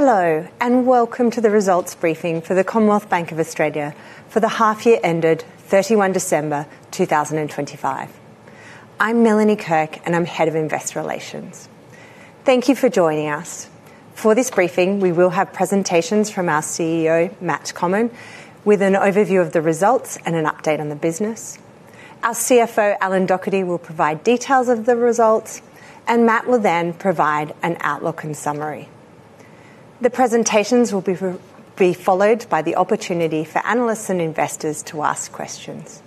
Hello and welcome to the results briefing for the Commonwealth Bank of Australia for the Half-Year ended 31 December 2025. I'm Melanie Kirk and I'm Head of Investor Relations. Thank you for joining us. For this briefing we will have presentations from our CEO Matt Comyn with an overview of the results and an update on the business. Our CFO Alan Docherty will provide details of the results and Matt will then provide an outlook and summary. The presentations will be followed by the opportunity for analysts and investors to ask questions.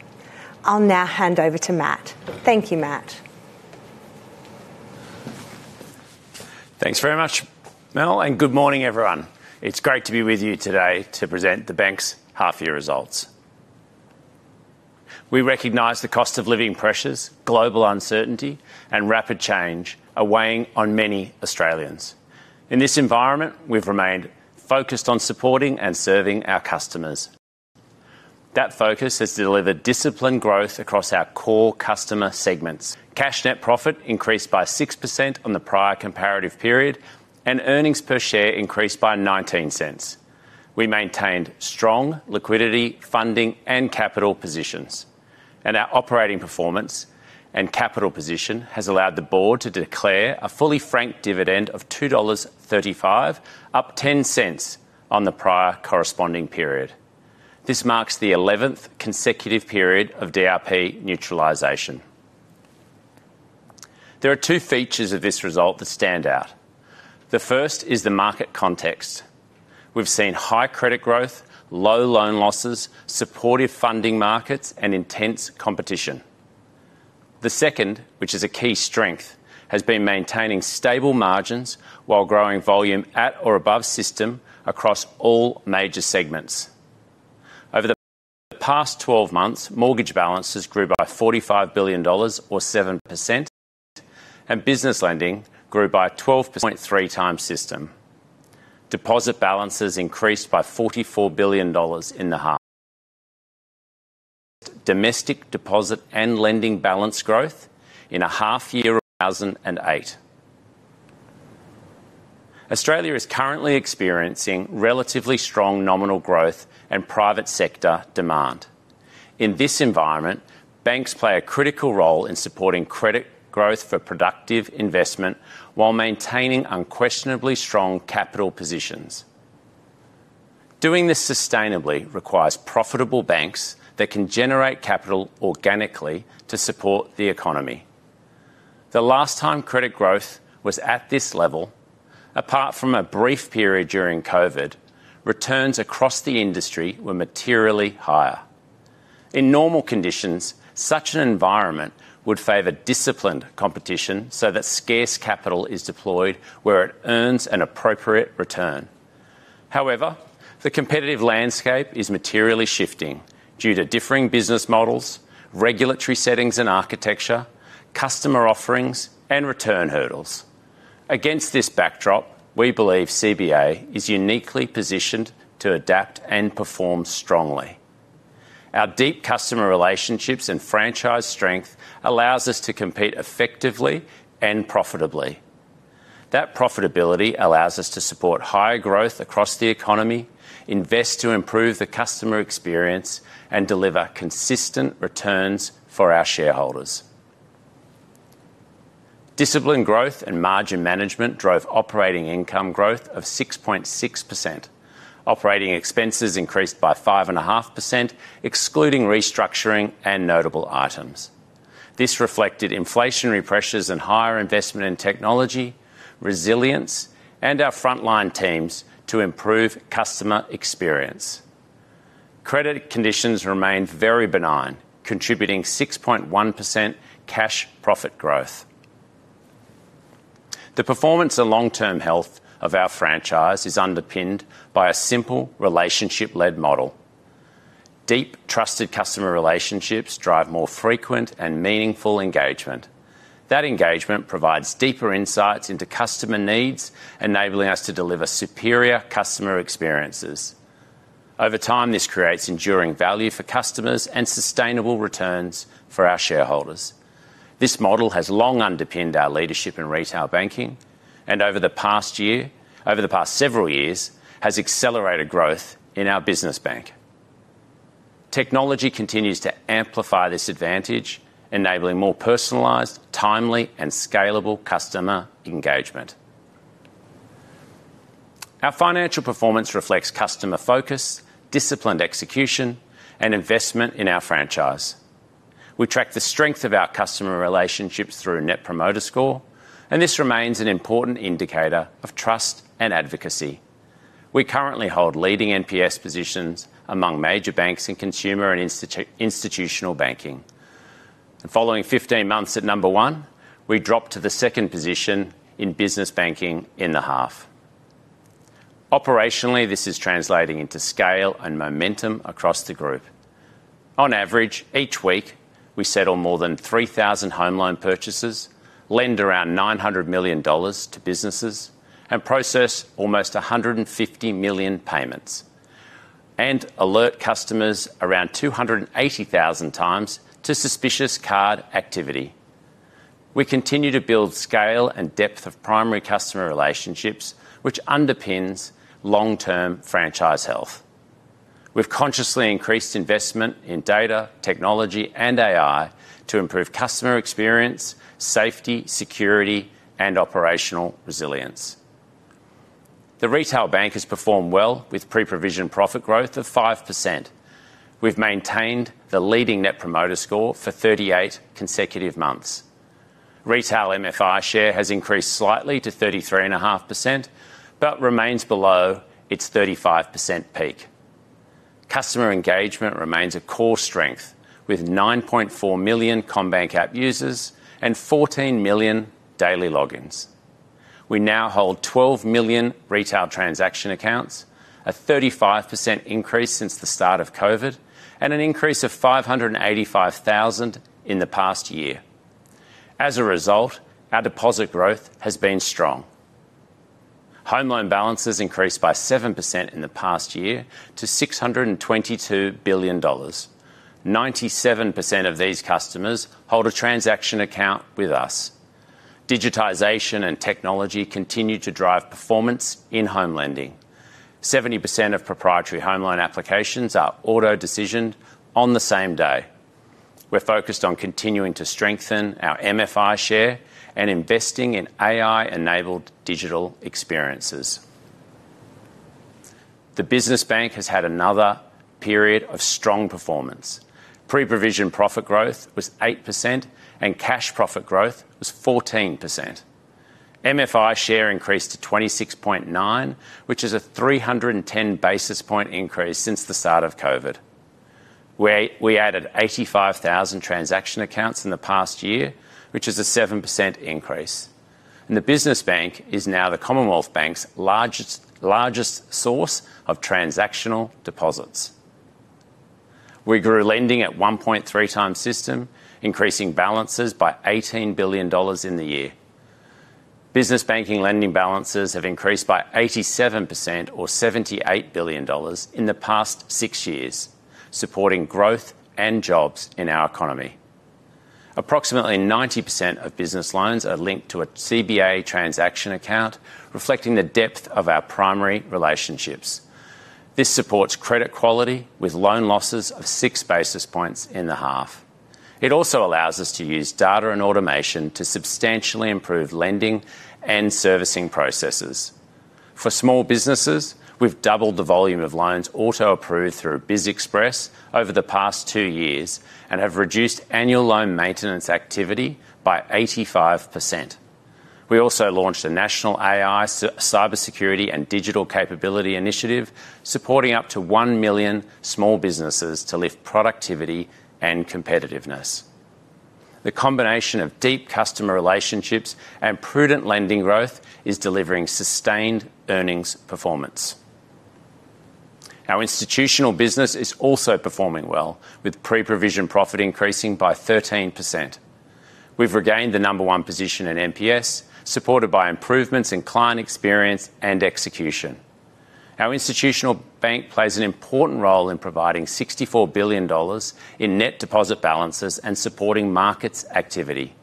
I'll now hand over to Matt. Thank you, Matt. Thanks very much, Mel, and good morning, everyone. It's great to be with you today to present the bank's half-year results. We recognize the cost of living pressures, global uncertainty, and rapid change are weighing on many Australians. In this environment we've remained focused on supporting and serving our customers. That focus has delivered disciplined growth across our core customer segments: cash net profit increased by 6% on the prior comparative period, and earnings per share increased by 0.19. We maintained strong liquidity, funding, and capital positions, and our operating performance and capital position has allowed the board to declare a fully franked dividend of 2.35 dollars, up 0.10 on the prior corresponding period. This marks the 11th consecutive period of DRP neutralisation. There are two features of this result that stand out. The first is the market context. We've seen high credit growth, low loan losses, supportive funding markets, and intense competition. The second, which is a key strength, has been maintaining stable margins while growing volume at or above system across all major segments. Over the past 12 months mortgage balances grew by 45 billion dollars, or 7%, and business lending grew by 1.3x system. Deposit balances increased by 44 billion dollars in the half-year growth. Domestic deposit and lending balance growth in a half-year since 2008. Australia is currently experiencing relatively strong nominal growth and private sector demand. In this environment banks play a critical role in supporting credit growth for productive investment while maintaining unquestionably strong capital positions. Doing this sustainably requires profitable banks that can generate capital organically to support the economy. The last time credit growth was at this level, apart from a brief period during COVID, returns across the industry were materially higher. In normal conditions such an environment would favor disciplined competition so that scarce capital is deployed where it earns an appropriate return. However, the competitive landscape is materially shifting due to differing business models, regulatory settings and architecture, customer offerings, and return hurdles. Against this backdrop we believe CBA is uniquely positioned to adapt and perform strongly. Our deep customer relationships and franchise strength allows us to compete effectively and profitably. That profitability allows us to support higher growth across the economy, invest to improve the customer experience, and deliver consistent returns for our shareholders. Disciplined growth and margin management drove operating income growth of 6.6%, operating expenses increased by 5.5%, excluding restructuring and notable items. This reflected inflationary pressures and higher investment in technology, resilience, and our front-line teams to improve customer experience. Credit conditions remained very benign, contributing 6.1% cash profit growth. The performance and long-term health of our franchise is underpinned by a simple relationship-led model. Deep, trusted customer relationships drive more frequent and meaningful engagement. That engagement provides deeper insights into customer needs, enabling us to deliver superior customer experiences. Over time this creates enduring value for customers and sustainable returns for our shareholders. This model has long underpinned our leadership in retail banking and, over the past several years, has accelerated growth in our business bank. Technology continues to amplify this advantage, enabling more personalized, timely, and scalable customer engagement. Our financial performance reflects customer focus, disciplined execution, and investment in our franchise. We track the strength of our customer relationships through Net Promoter Score, and this remains an important indicator of trust and advocacy. We currently hold leading NPS positions among major banks in consumer and institutional banking. Following 15 months at number one, we dropped to the second position in business banking in the half. Operationally this is translating into scale and momentum across the group. On average each week we settle more than 3,000 home loan purchases, lend around 900 million dollars to businesses, and process almost 150 million payments, and alert customers around 280,000 times to suspicious card activity. We continue to build scale and depth of primary customer relationships which underpins long-term franchise health. We have consciously increased investment in data, technology, and AI to improve customer experience, safety, security, and operational resilience. The retail bank has performed well with pre-provision profit growth of 5%. We have maintained the leading Net Promoter Score for 38 consecutive months. Retail MFI share has increased slightly to 33.5% but remains below its 35% peak. Customer engagement remains a core strength with 9.4 million CommBank app users and 14 million daily logins. We now hold 12 million retail transaction accounts, a 35% increase since the start of COVID, and an increase of 585,000 in the past year. As a result our deposit growth has been strong. Home loan balances increased by 7% in the past year to 622 billion dollars. 97% of these customers hold a transaction account with us. Digitization and technology continue to drive performance in home lending. 70% of proprietary home loan applications are auto-decisioned on the same day. We are focused on continuing to strengthen our MFI share and investing in AI-enabled digital experiences. The business bank has had another period of strong performance. Pre-provision profit growth was 8% and cash profit growth was 14%. MFI share increased to 26.9, which is a 310 basis point increase since the start of COVID. We added 85,000 transaction accounts in the past year, which is a 7% increase. The business bank is now the Commonwealth Bank's largest source of transactional deposits. We grew lending at 1.3x system, increasing balances by 18 billion dollars in the year. Business banking lending balances have increased by 87%, or 78 billion dollars, in the past six years, supporting growth and jobs in our economy. Approximately 90% of business loans are linked to a CBA transaction account reflecting the depth of our primary relationships. This supports credit quality with loan losses of six basis points in the half. It also allows us to use data and automation to substantially improve lending and servicing processes. For small businesses we have doubled the volume of loans auto-approved through BizExpress over the past two years and have reduced annual loan maintenance activity by 85%. We also launched a national AI, cybersecurity, and digital capability initiative supporting up to 1 million small businesses to lift productivity and competitiveness. The combination of deep customer relationships and prudent lending growth is delivering sustained earnings performance. Our institutional business is also performing well, with pre-provision profit increasing by 13%. We have regained the number one position in NPS, supported by improvements in client experience and execution. Our institutional bank plays an important role in providing 64 billion dollars in net deposit balances and supporting markets activity.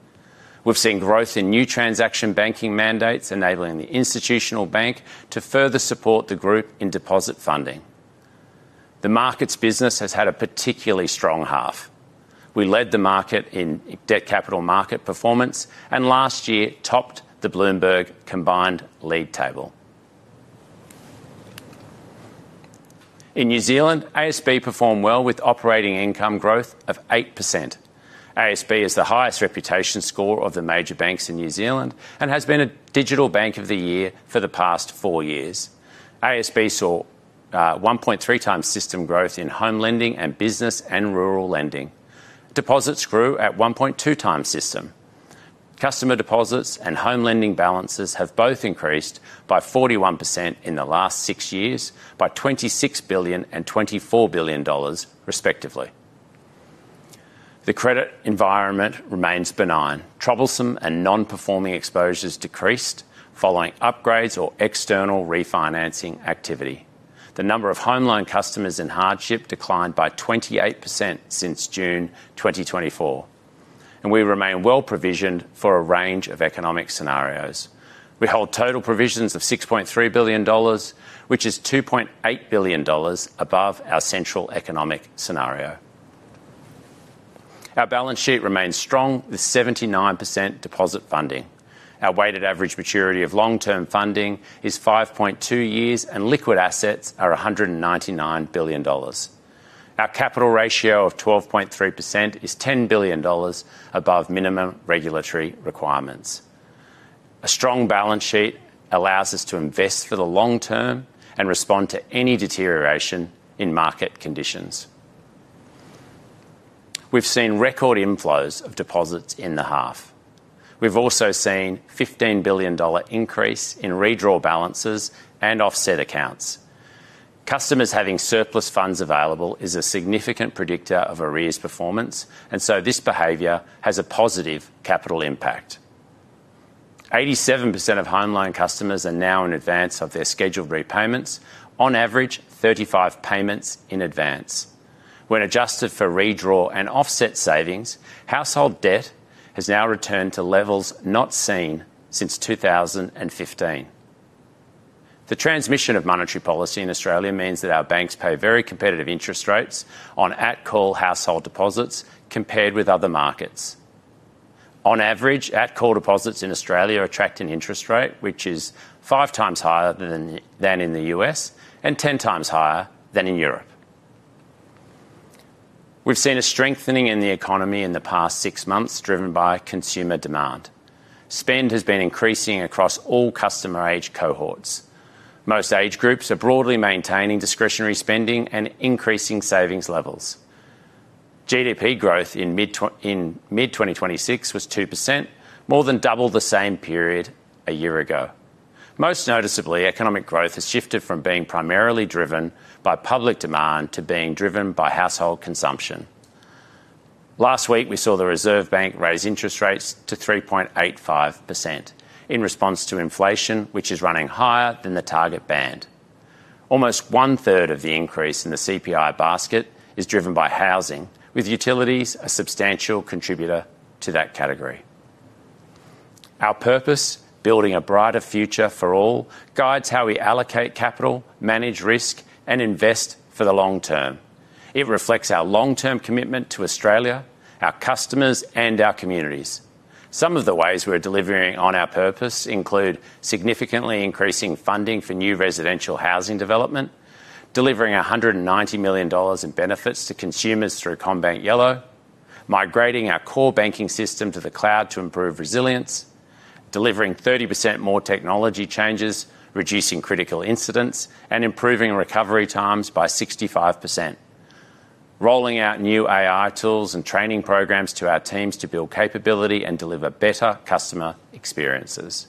We have seen growth in new transaction banking mandates, enabling the institutional bank to further support the group in deposit funding. The markets business has had a particularly strong half. We led the market in debt capital market performance and last year topped the Bloomberg Combined League Table. In New Zealand ASB performed well with operating income growth of 8%. ASB is the highest reputation score of the major banks in New Zealand and has been a Digital Bank of the Year for the past four years. ASB saw 1.3x system growth in home lending and business and rural lending. Deposits grew at 1.2x system. Customer deposits and home lending balances have both increased by 41% in the last six years, by 26 billion and 24 billion dollars, respectively. The credit environment remains benign. Troublesome and non-performing exposures decreased following upgrades or external refinancing activity. The number of home loan customers in hardship declined by 28% since June 2024. We remain well-provisioned for a range of economic scenarios. We hold total provisions of 6.3 billion dollars, which is 2.8 billion dollars above our central economic scenario. Our balance sheet remains strong with 79% deposit funding. Our weighted average maturity of long-term funding is 5.2 years and liquid assets are 199 billion dollars. Our capital ratio of 12.3% is 10 billion dollars above minimum regulatory requirements. A strong balance sheet allows us to invest for the long term and respond to any deterioration in market conditions. We have seen record inflows of deposits in the half. We have also seen a 15 billion dollar increase in redraw balances and offset accounts. Customers having surplus funds available is a significant predictor of arrears performance, and so this behaviour has a positive capital impact. 87% of home loan customers are now in advance of their scheduled repayments, on average 35 payments in advance. When adjusted for redraw and offset savings, household debt has now returned to levels not seen since 2015. The transmission of monetary policy in Australia means that our banks pay very competitive interest rates on at-call household deposits compared with other markets. On average, at-call deposits in Australia attract an interest rate which is 5x higher than in the U.S. and 10x higher than in Europe. We have seen a strengthening in the economy in the past six months driven by consumer demand. Spend has been increasing across all customer age cohorts. Most age groups are broadly maintaining discretionary spending and increasing savings levels. GDP growth in mid-2026 was 2%, more than double the same period a year ago. Most noticeably economic growth has shifted from being primarily driven by public demand to being driven by household consumption. Last week we saw the Reserve Bank raise interest rates to 3.85% in response to inflation which is running higher than the target band. Almost one-third of the increase in the CPI basket is driven by housing, with utilities a substantial contributor to that category. Our purpose, building a brighter future for all, guides how we allocate capital, manage risk, and invest for the long term. It reflects our long-term commitment to Australia, our customers, and our communities. Some of the ways we are delivering on our purpose include significantly increasing funding for new residential housing development, delivering 190 million dollars in benefits to consumers through CommBank Yello, migrating our core banking system to the cloud to improve resilience, delivering 30% more technology changes, reducing critical incidents, and improving recovery times by 65%, rolling out new AI tools and training programs to our teams to build capability and deliver better customer experiences,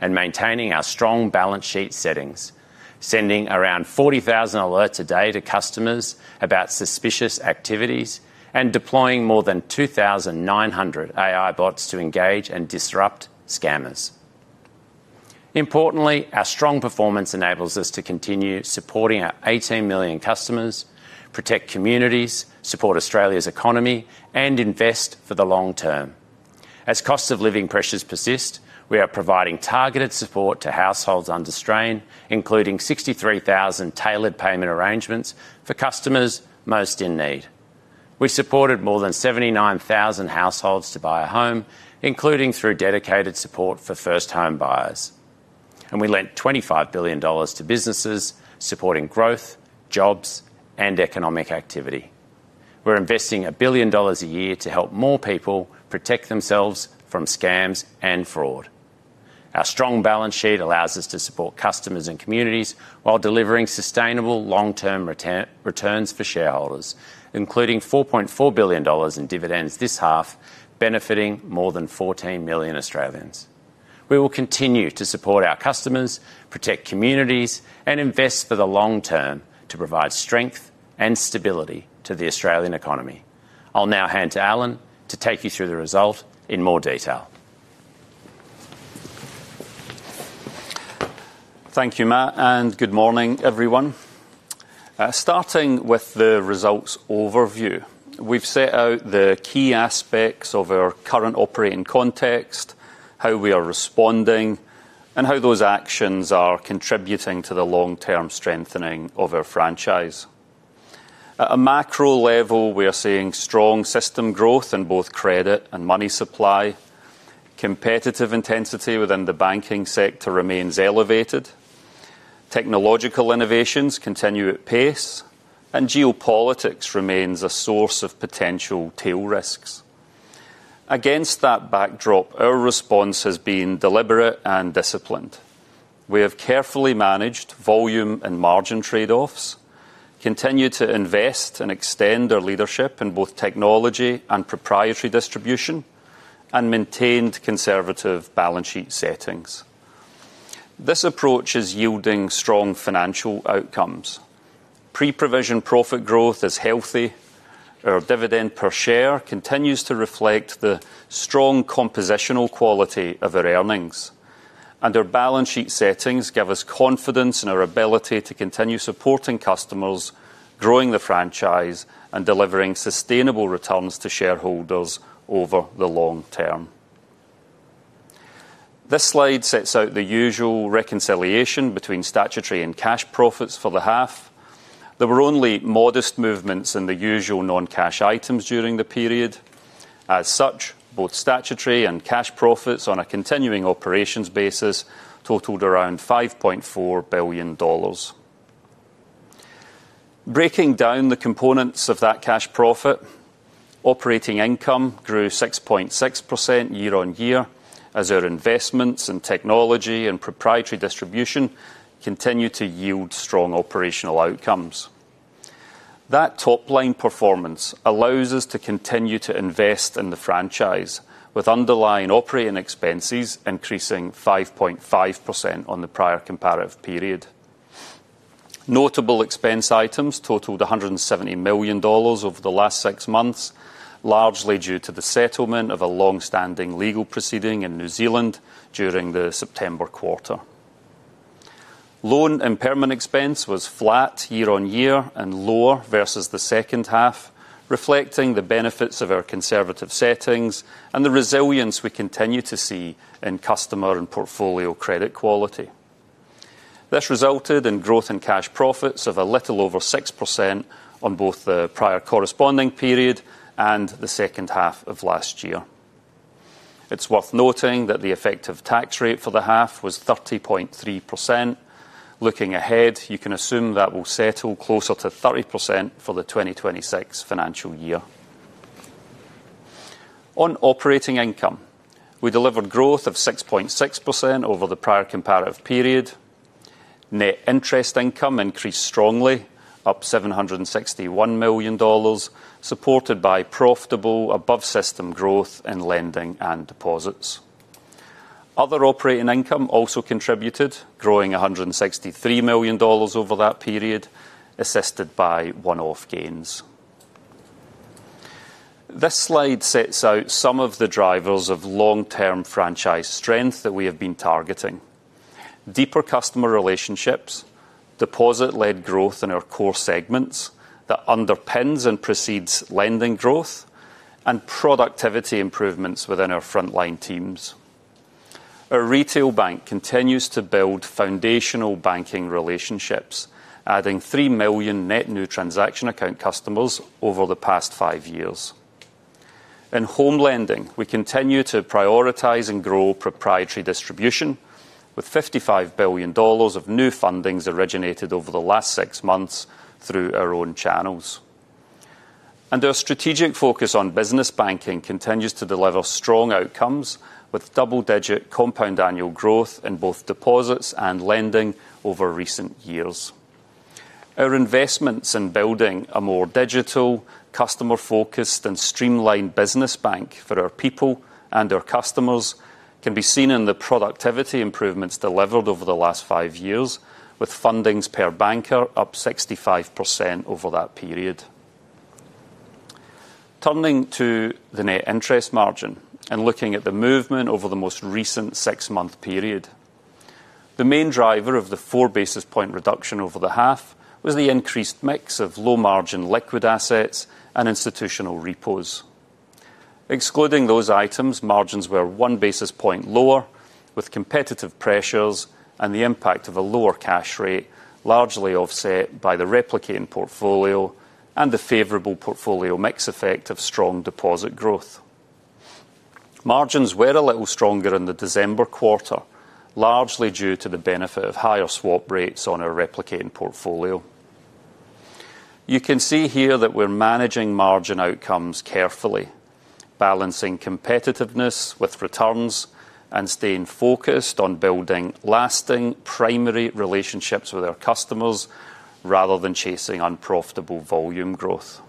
and maintaining our strong balance sheet settings, sending around 40,000 alerts a day to customers about suspicious activities, and deploying more than 2,900 AI bots to engage and disrupt scammers. Importantly, our strong performance enables us to continue supporting our 18 million customers, protect communities, support Australia's economy, and invest for the long term. As cost of living pressures persist we are providing targeted support to households under strain, including 63,000 tailored payment arrangements for customers most in need. We have supported more than 79,000 households to buy a home, including through dedicated support for first home buyers. We lent 25 billion dollars to businesses, supporting growth, jobs, and economic activity. We are investing 1 billion dollars a year to help more people protect themselves from scams and fraud. Our strong balance sheet allows us to support customers and communities while delivering sustainable long-term returns for shareholders, including 4.4 billion dollars in dividends this half, benefiting more than 14 million Australians. We will continue to support our customers, protect communities, and invest for the long term to provide strength and stability to the Australian economy. I will now hand to Alan to take you through the result in more detail. Thank you, Matt, and good morning, everyone. Starting with the results overview, we have set out the key aspects of our current operating context, how we are responding, and how those actions are contributing to the long-term strengthening of our franchise. At a macro level we are seeing strong system growth in both credit and money supply, competitive intensity within the banking sector remains elevated, technological innovations continue at pace, and geopolitics remains a source of potential tail risks. Against that backdrop our response has been deliberate and disciplined. We have carefully managed volume and margin trade-offs, continued to invest and extend our leadership in both technology and proprietary distribution, and maintained conservative balance sheet settings. This approach is yielding strong financial outcomes. Pre-provision profit growth is healthy. Our dividend per share continues to reflect the strong compositional quality of our earnings. Our balance sheet settings give us confidence in our ability to continue supporting customers, growing the franchise, and delivering sustainable returns to shareholders over the long term. This slide sets out the usual reconciliation between statutory and cash profits for the half. There were only modest movements in the usual non-cash items during the period. As such both statutory and cash profits on a continuing operations basis totaled around 5.4 billion dollars. Breaking down the components of that cash profit, operating income grew 6.6% year-on-year as our investments in technology and proprietary distribution continue to yield strong operational outcomes. That top-line performance allows us to continue to invest in the franchise, with underlying operating expenses increasing 5.5% on the prior comparative period. Notable expense items totaled 170 million dollars over the last six months, largely due to the settlement of a long-standing legal proceeding in New Zealand during the September quarter. Loan impairment expense was flat year-on-year and lower versus the second half, reflecting the benefits of our conservative settings and the resilience we continue to see in customer and portfolio credit quality. This resulted in growth in cash profits of a little over 6% on both the prior corresponding period and the second half of last year. It is worth noting that the effective tax rate for the half was 30.3%. Looking ahead you can assume that will settle closer to 30% for the 2026 financial year. On operating income we delivered growth of 6.6% over the prior comparative period. Net interest income increased strongly, up 761 million dollars, supported by profitable above-system growth in lending and deposits. Other operating income also contributed, growing 163 million dollars over that period, assisted by one-off gains. This slide sets out some of the drivers of long-term franchise strength that we have been targeting: deeper customer relationships, deposit-led growth in our core segments that underpins and precedes lending growth, and productivity improvements within our front-line teams. Our retail bank continues to build foundational banking relationships, adding 3 million net new transaction account customers over the past five years. In home lending we continue to prioritize and grow proprietary distribution, with 55 billion dollars of new fundings originated over the last six months through our own channels. Our strategic focus on business banking continues to deliver strong outcomes, with double-digit compound annual growth in both deposits and lending over recent years. Our investments in building a more digital, customer-focused and streamlined business bank for our people and our customers can be seen in the productivity improvements delivered over the last five years, with fundings per banker up 65% over that period. Turning to the net interest margin and looking at the movement over the most recent six month period, the main driver of the 4 basis point reduction over the half was the increased mix of low-margin liquid assets and institutional repos. Excluding those items margins were 1 basis point lower, with competitive pressures and the impact of a lower cash rate largely offset by the replicating portfolio and the favorable portfolio mix effect of strong deposit growth. Margins were a little stronger in the December quarter, largely due to the benefit of higher swap rates on our replicating portfolio. You can see here that we are managing margin outcomes carefully, balancing competitiveness with returns and staying focused on building lasting primary relationships with our customers rather than chasing unprofitable volume growth.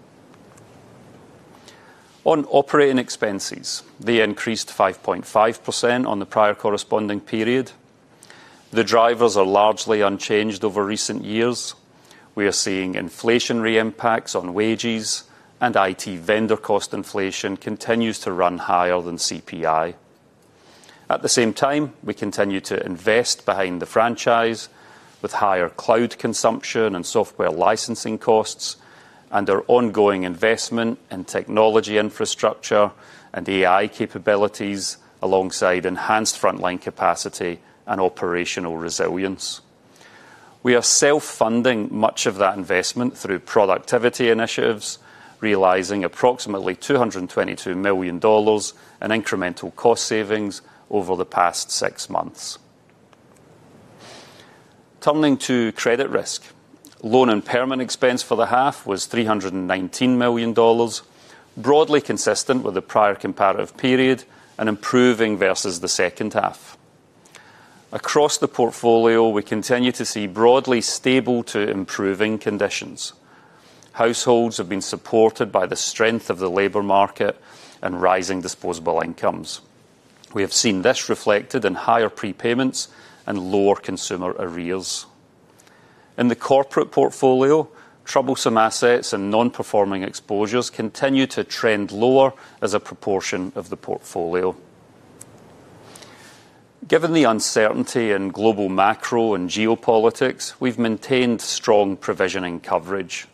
On operating expenses they increased 5.5% on the prior corresponding period. The drivers are largely unchanged over recent years. We are seeing inflationary impacts on wages and IT vendor cost inflation continues to run higher than CPI. At the same time we continue to invest behind the franchise with higher cloud consumption and software licensing costs and our ongoing investment in technology infrastructure and AI capabilities alongside enhanced front-line capacity and operational resilience. We are self-funding much of that investment through productivity initiatives, realizing approximately 222 million dollars in incremental cost savings over the past six months. Turning to credit risk, loan impairment expense for the half was 319 million dollars, broadly consistent with the prior comparative period and improving versus the second half. Across the portfolio we continue to see broadly stable to improving conditions. Households have been supported by the strength of the labor market and rising disposable incomes. We have seen this reflected in higher prepayments and lower consumer arrears. In the corporate portfolio troubled assets and non-performing exposures continue to trend lower as a proportion of the portfolio. Given the uncertainty in global macro and geopolitics we have maintained strong provisioning coverage.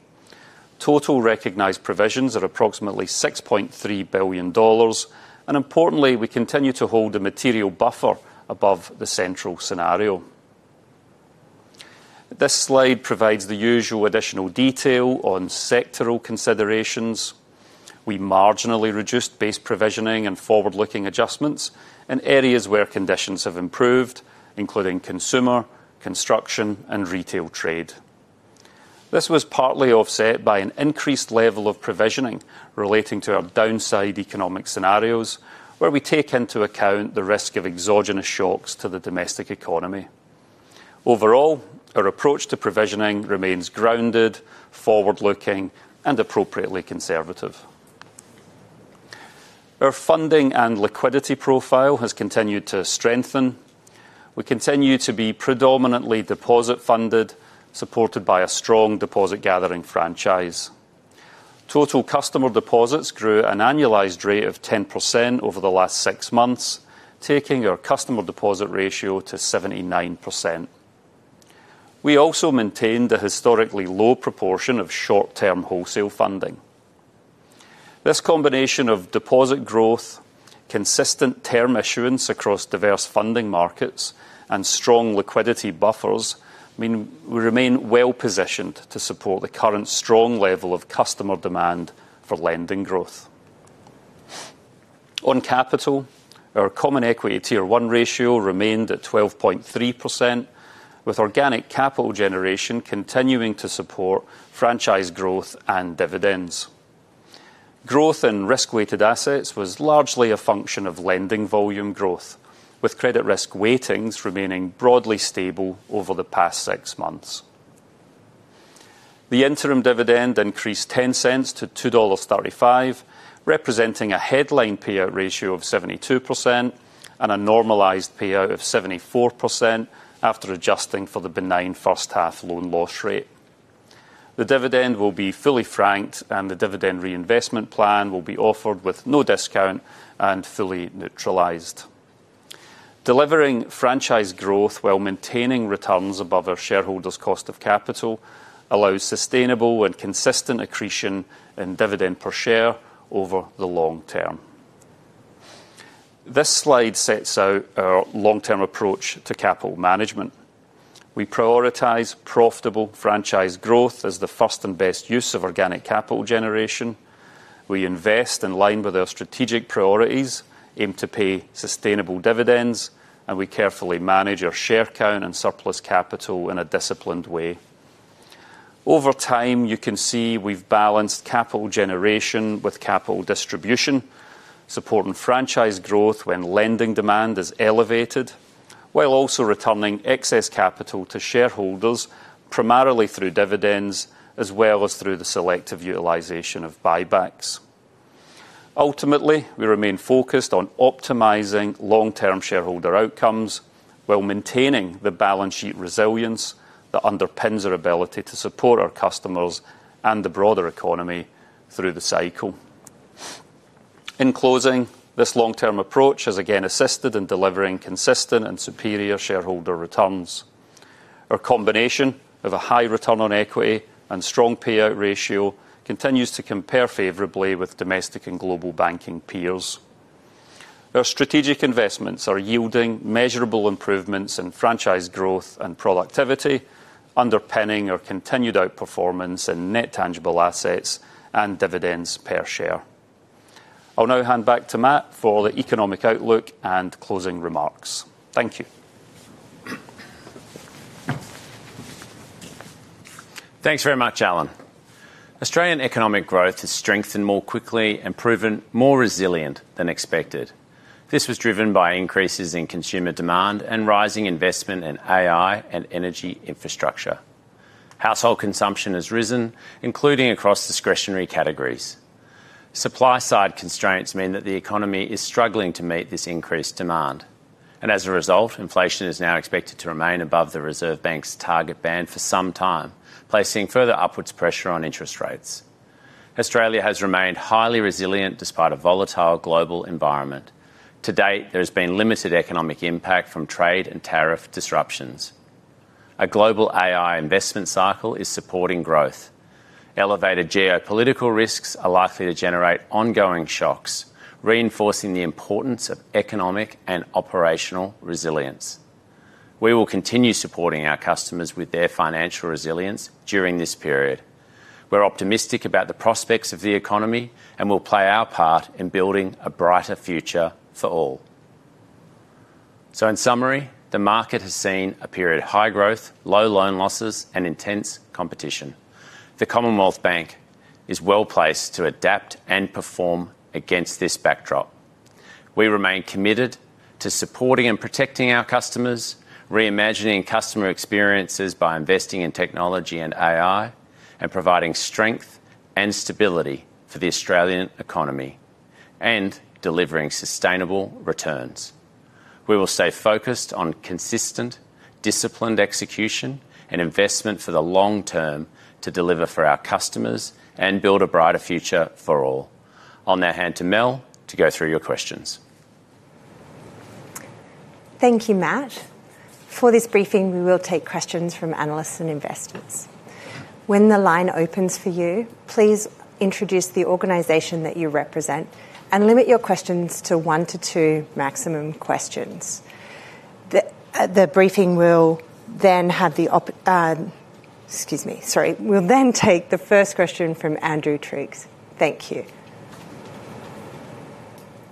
Total recognized provisions are approximately 6.3 billion dollars and importantly we continue to hold a material buffer above the central scenario. This slide provides the usual additional detail on sectoral considerations. We marginally reduced base provisioning and forward-looking adjustments in areas where conditions have improved, including consumer, construction, and retail trade. This was partly offset by an increased level of provisioning relating to our downside economic scenarios, where we take into account the risk of exogenous shocks to the domestic economy. Overall our approach to provisioning remains grounded, forward-looking, and appropriately conservative. Our funding and liquidity profile has continued to strengthen. We continue to be predominantly deposit-funded, supported by a strong deposit-gathering franchise. Total customer deposits grew an annualized rate of 10% over the last six months, taking our customer deposit ratio to 79%. We also maintained a historically low proportion of short-term wholesale funding. This combination of deposit growth, consistent term issuance across diverse funding markets, and strong liquidity buffers means we remain well-positioned to support the current strong level of customer demand for lending growth. On capital our Common Equity Tier 1 ratio remained at 12.3%, with organic capital generation continuing to support franchise growth and dividends. Growth in risk-weighted assets was largely a function of lending volume growth, with credit risk weightings remaining broadly stable over the past six months. The interim dividend increased 0.10 to 2.35 dollar, representing a headline payout ratio of 72% and a normalized payout of 74% after adjusting for the benign first-half loan loss rate. The dividend will be fully franked and the dividend reinvestment plan will be offered with no discount and fully neutralized. Delivering franchise growth while maintaining returns above our shareholders' cost of capital allows sustainable and consistent accretion in dividend per share over the long term. This slide sets out our long-term approach to capital management. We prioritize profitable franchise growth as the first and best use of organic capital generation. We invest in line with our strategic priorities, aim to pay sustainable dividends, and we carefully manage our share count and surplus capital in a disciplined way. Over time you can see we have balanced capital generation with capital distribution, supporting franchise growth when lending demand is elevated, while also returning excess capital to shareholders primarily through dividends as well as through the selective utilization of buybacks. Ultimately we remain focused on optimizing long-term shareholder outcomes while maintaining the balance sheet resilience that underpins our ability to support our customers and the broader economy through the cycle. In closing this long-term approach has again assisted in delivering consistent and superior shareholder returns. Our combination of a high return on equity and strong payout ratio continues to compare favorably with domestic and global banking peers. Our strategic investments are yielding measurable improvements in franchise growth and productivity, underpinning our continued outperformance in net tangible assets and dividends per share. I will now hand back to Matt for the economic outlook and closing remarks. Thank you. Thanks very much, Alan. Australian economic growth has strengthened more quickly and proven more resilient than expected. This was driven by increases in consumer demand and rising investment in AI and energy infrastructure. Household consumption has risen, including across discretionary categories. Supply-side constraints mean that the economy is struggling to meet this increased demand. As a result inflation is now expected to remain above the Reserve Bank's target band for some time, placing further upwards pressure on interest rates. Australia has remained highly resilient despite a volatile global environment. To date there has been limited economic impact from trade and tariff disruptions. A global AI investment cycle is supporting growth. Elevated geopolitical risks are likely to generate ongoing shocks, reinforcing the importance of economic and operational resilience. We will continue supporting our customers with their financial resilience during this period. We are optimistic about the prospects of the economy and will play our part in building a brighter future for all. In summary the market has seen a period of high growth, low loan losses, and intense competition. The Commonwealth Bank is well-placed to adapt and perform against this backdrop. We remain committed to supporting and protecting our customers, reimagining customer experiences by investing in technology and AI, and providing strength and stability for the Australian economy, and delivering sustainable returns. We will stay focused on consistent, disciplined execution and investment for the long term to deliver for our customers and build a brighter future for all. I will now hand to Mel to go through your questions. Thank you, Matt. For this briefing we will take questions from analysts and investors. When the line opens for you please introduce the organization that you represent and limit your questions to one to two maximum questions. The briefing will then have the—excuse me, sorry—we will then take the first question from Andrew Triggs. Thank you.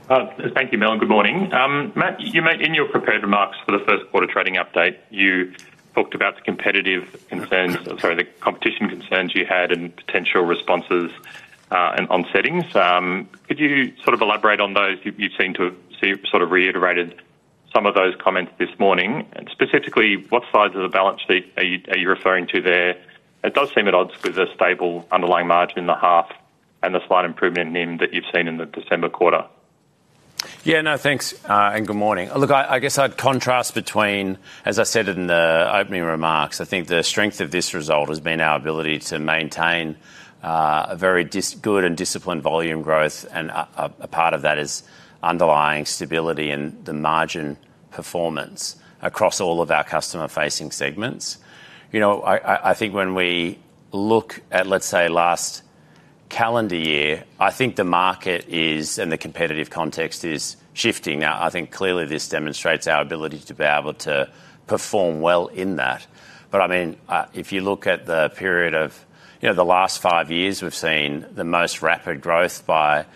Thank you, Mel, and good morning. Matt, you made in your prepared remarks for the first quarter trading update you talked about the competitive concerns, sorry, the competition concerns you had and potential responses and offsetting. Could you sort of elaborate on those? You have seemed to have sort of reiterated some of those comments this morning. Specifically what sides of the balance sheet are you referring to there? It does seem at odds with a stable underlying margin in the half and the slight improvement in NIM that you have seen in the December quarter. Yeah, no, thanks and good morning. Look, I guess I would contrast between, as I said in the opening remarks, I think the strength of this result has been our ability to maintain a very good and disciplined volume growth and a part of that is underlying stability and the margin performance across all of our customer-facing segments. You know, I think when we look at, let's say, last calendar year I think the market is and the competitive context is shifting. Now, I think clearly this demonstrates our ability to be able to perform well in that. But, I mean, if you look at the period of, you know, the last five years we have seen the most rapid growth by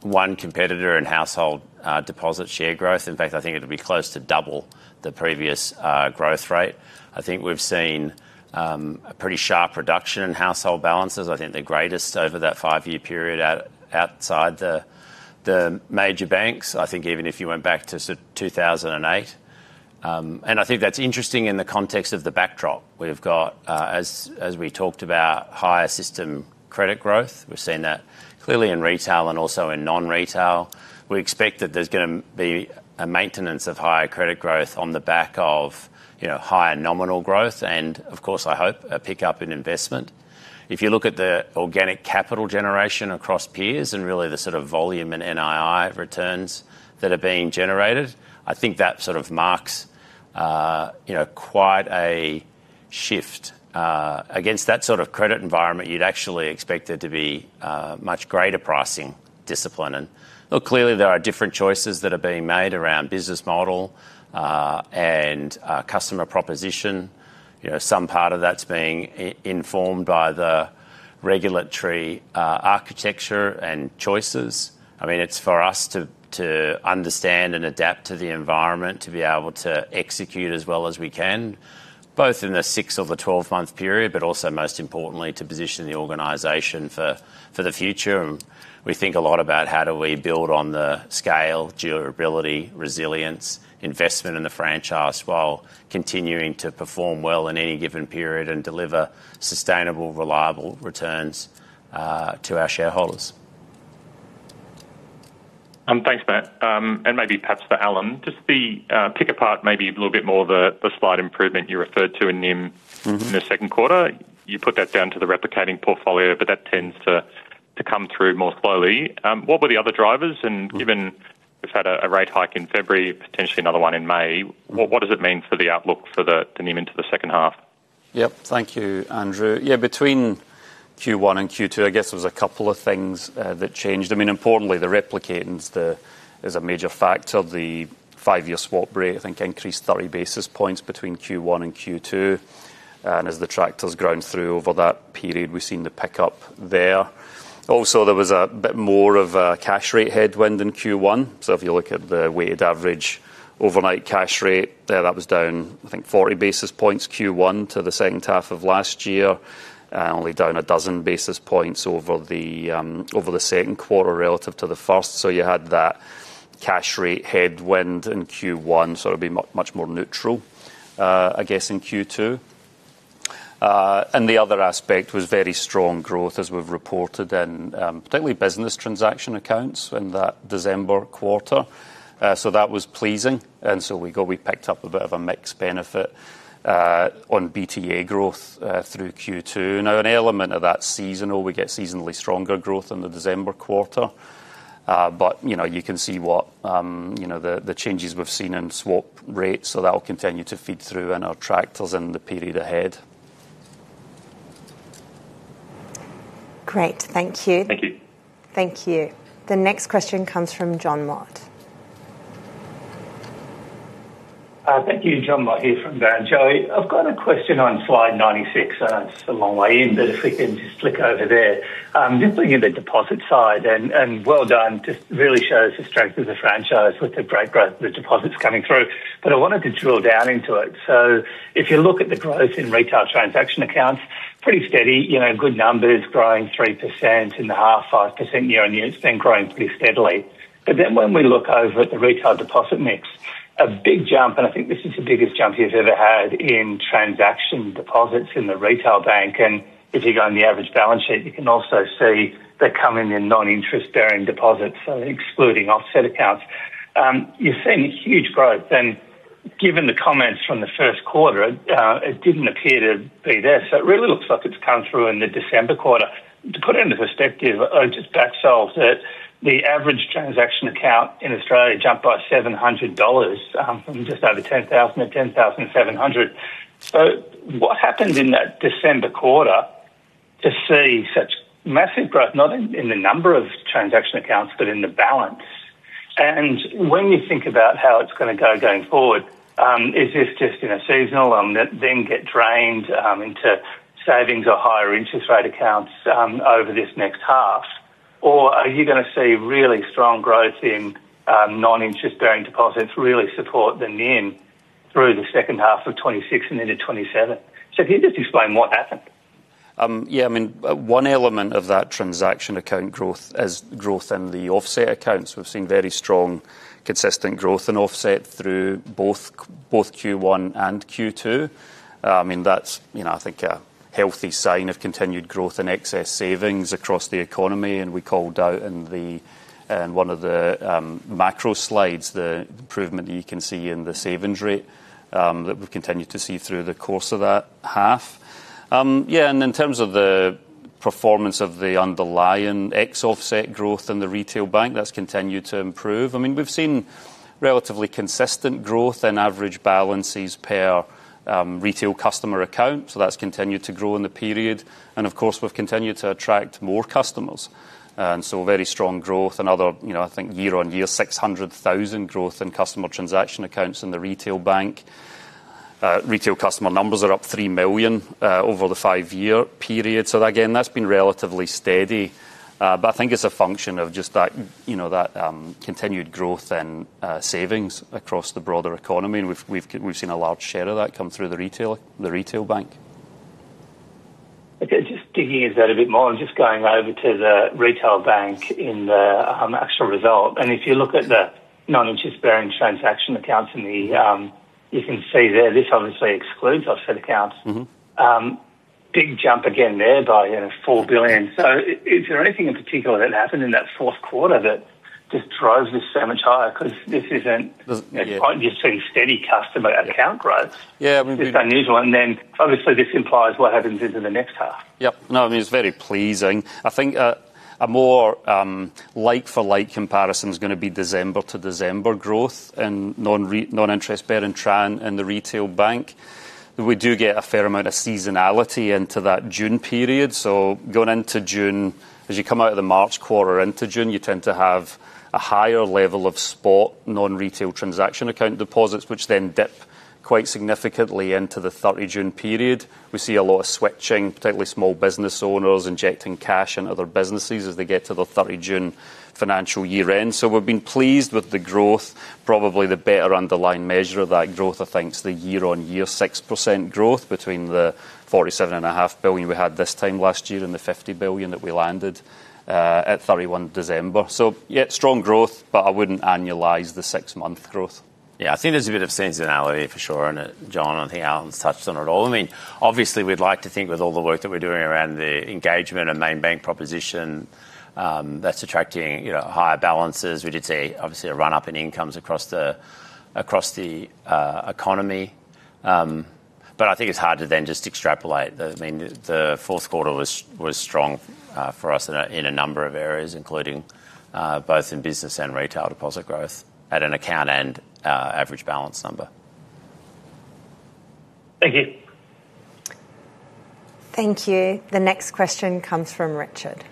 one competitor in household deposit share growth. In fact, I think it would be close to double the previous growth rate. I think we have seen a pretty sharp reduction in household balances. I think the greatest over that five-year period outside the major banks, I think even if you went back to sort of 2008. And I think that's interesting in the context of the backdrop. We have got, as we talked about, higher system credit growth. We have seen that clearly in retail and also in non-retail. We expect that there is going to be a maintenance of higher credit growth on the back of, you know, higher nominal growth and, of course, I hope, a pickup in investment. If you look at the organic capital generation across peers and really the sort of volume and NII returns that are being generated I think that sort of marks, you know, quite a shift. Against that sort of credit environment you would actually expect there to be much greater pricing discipline. And, look, clearly there are different choices that are being made around business model and customer proposition. You know, some part of that is being informed by the regulatory architecture and choices. I mean, it's for us to understand and adapt to the environment to be able to execute as well as we can, both in the 6 or the 12-month period but also, most importantly, to position the organization for the future. We think a lot about how do we build on the scale, durability, resilience, investment in the franchise while continuing to perform well in any given period and deliver sustainable, reliable returns to our shareholders. Thanks, Matt. And maybe perhaps for Alan, just to pick apart maybe a little bit more the slight improvement you referred to in NIM in the second quarter. You put that down to the replicating portfolio but that tends to come through more slowly. What were the other drivers and given we have had a rate hike in February, potentially another one in May, what does it mean for the outlook for the NIM into the second half? Yep, thank you, Andrew. Yeah, between Q1 and Q2 I guess there was a couple of things that changed. I mean, importantly, the replicating is a major factor. The five-year swap rate, I think, increased 30 basis points between Q1 and Q2. As the trackers going through over that period we have seen the pickup there. Also, there was a bit more of a cash rate headwind in Q1. So if you look at the weighted average overnight cash rate, yeah, that was down, I think, 40 basis points Q1 to the second half of last year, only down 12 basis points over the second quarter relative to the first. So you had that cash rate headwind in Q1, so it would be much more neutral, I guess, in Q2. The other aspect was very strong growth as we have reported in particularly business transaction accounts in that December quarter. So that was pleasing. So we picked up a bit of a mixed benefit on BTA growth through Q2. Now, an element of that seasonality, we get seasonally stronger growth in the December quarter. But, you know, you can see what, you know, the changes we have seen in swap rates so that will continue to feed through in our factors in the period ahead. Great. Thank you. Thank you. Thank you. The next question comes from Jon Mott. Thank you, Jon Mott here from Barrenjoey. I have got a question on slide 96 and it's a long way in but if we can just click over there. Just looking at the deposit side and well done, just really shows the strength of the franchise with the great growth of the deposits coming through. But I wanted to drill down into it. So if you look at the growth in retail transaction accounts, pretty steady, you know, good numbers, growing 3% in the half, 5% year-on-year, it has been growing pretty steadily. But then when we look over at the retail deposit mix, a big jump and I think this is the biggest jump you have ever had in transaction deposits in the retail bank and if you go on the average balance sheet you can also see they are coming in non-interest bearing deposits, so excluding offset accounts. You have seen huge growth and given the comments from the first quarter it didn't appear to be there. So it really looks like it has come through in the December quarter. To put it into perspective, I just back-solved that the average transaction account in Australia jumped by 700 dollars from just over 10,000-10,700. So what happened in that December quarter to see such massive growth, not in the number of transaction accounts but in the balance? And when you think about how it is going to go going forward, is this just, you know, seasonal and then get drained into savings or higher interest rate accounts over this next half? Or are you going to see really strong growth in non-interest bearing deposits really support the NIM through the second half of 2026 and into 2027? So can you just explain what happened? Yeah, I mean, one element of that transaction account growth is growth in the offset accounts. We have seen very strong, consistent growth in offset through both Q1 and Q2. I mean, that is, you know, I think a healthy sign of continued growth in excess savings across the economy and we called out in one of the macro slides the improvement that you can see in the savings rate that we have continued to see through the course of that half. Yeah, and in terms of the performance of the underlying ex-offset growth in the retail bank that has continued to improve. I mean, we have seen relatively consistent growth in average balances per retail customer account so that has continued to grow in the period. And, of course, we have continued to attract more customers. And so very strong growth and other, you know, I think year-on-year 600,000 growth in customer transaction accounts in the retail bank. Retail customer numbers are up 3 million over the five-year period. So, again, that has been relatively steady. But I think it is a function of just that, you know, that continued growth in savings across the broader economy and we have seen a large share of that come through the retail bank. Okay, just digging into that a bit more and just going over to the retail bank in the actual result. And if you look at the non-interest-bearing transaction accounts in the you can see there, this obviously excludes offset accounts. Big jump again there by, you know, 4 billion. So is there anything in particular that happened in that fourth quarter that just drove this so much higher? Because this isn't you are seeing steady customer account growth. Yeah, I mean. It is unusual. And then, obviously, this implies what happens into the next half. Yep. No, I mean, it is very pleasing. I think a more like-for-like comparison is going to be December to December growth in non-interest bearing transaction in the retail bank. We do get a fair amount of seasonality into that June period. So going into June, as you come out of the March quarter into June, you tend to have a higher level of spot non-retail transaction account deposits which then dip quite significantly into the June 30 period. We see a lot of switching, particularly small business owners injecting cash in other businesses as they get to the June 30 financial year-end. So we have been pleased with the growth, probably the better underlying measure of that growth, I think, is the year-on-year 6% growth between the 47.5 billion we had this time last year and the 50 billion that we landed at December 31. So, yeah, strong growth but I wouldn't annualize the six-month growth. Yeah, I think there is a bit of seasonality for sure in it, John. I think Alan has touched on it all. I mean, obviously, we would like to think with all the work that we are doing around the engagement and main bank proposition that is attracting, you know, higher balances. We did see, obviously, a run-up in incomes across the economy. But I think it is hard to then just extrapolate. I mean, the fourth quarter was strong for us in a number of areas including both in business and retail deposit growth at an account and average balance number. Thank you. Thank you. The next question comes from Richard.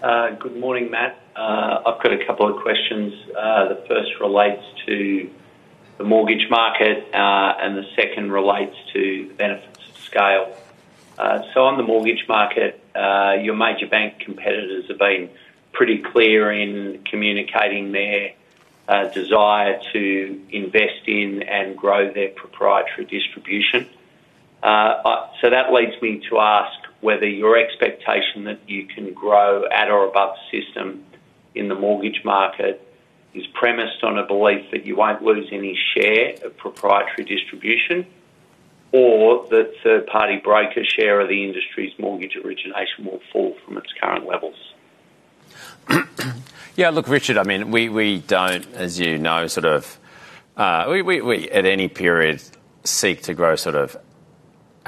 Good morning, Matt. I have got a couple of questions. The first relates to the mortgage market and the second relates to benefits of scale. So on the mortgage market, your major bank competitors have been pretty clear in communicating their desire to invest in and grow their proprietary distribution. So that leads me to ask whether your expectation that you can grow at or above the system in the mortgage market is premised on a belief that you won't lose any share of proprietary distribution or that third-party broker share of the industry's mortgage origination will fall from its current levels. Yeah, look, Richard, I mean, we don't, as you know, sort of at any period seek to grow sort of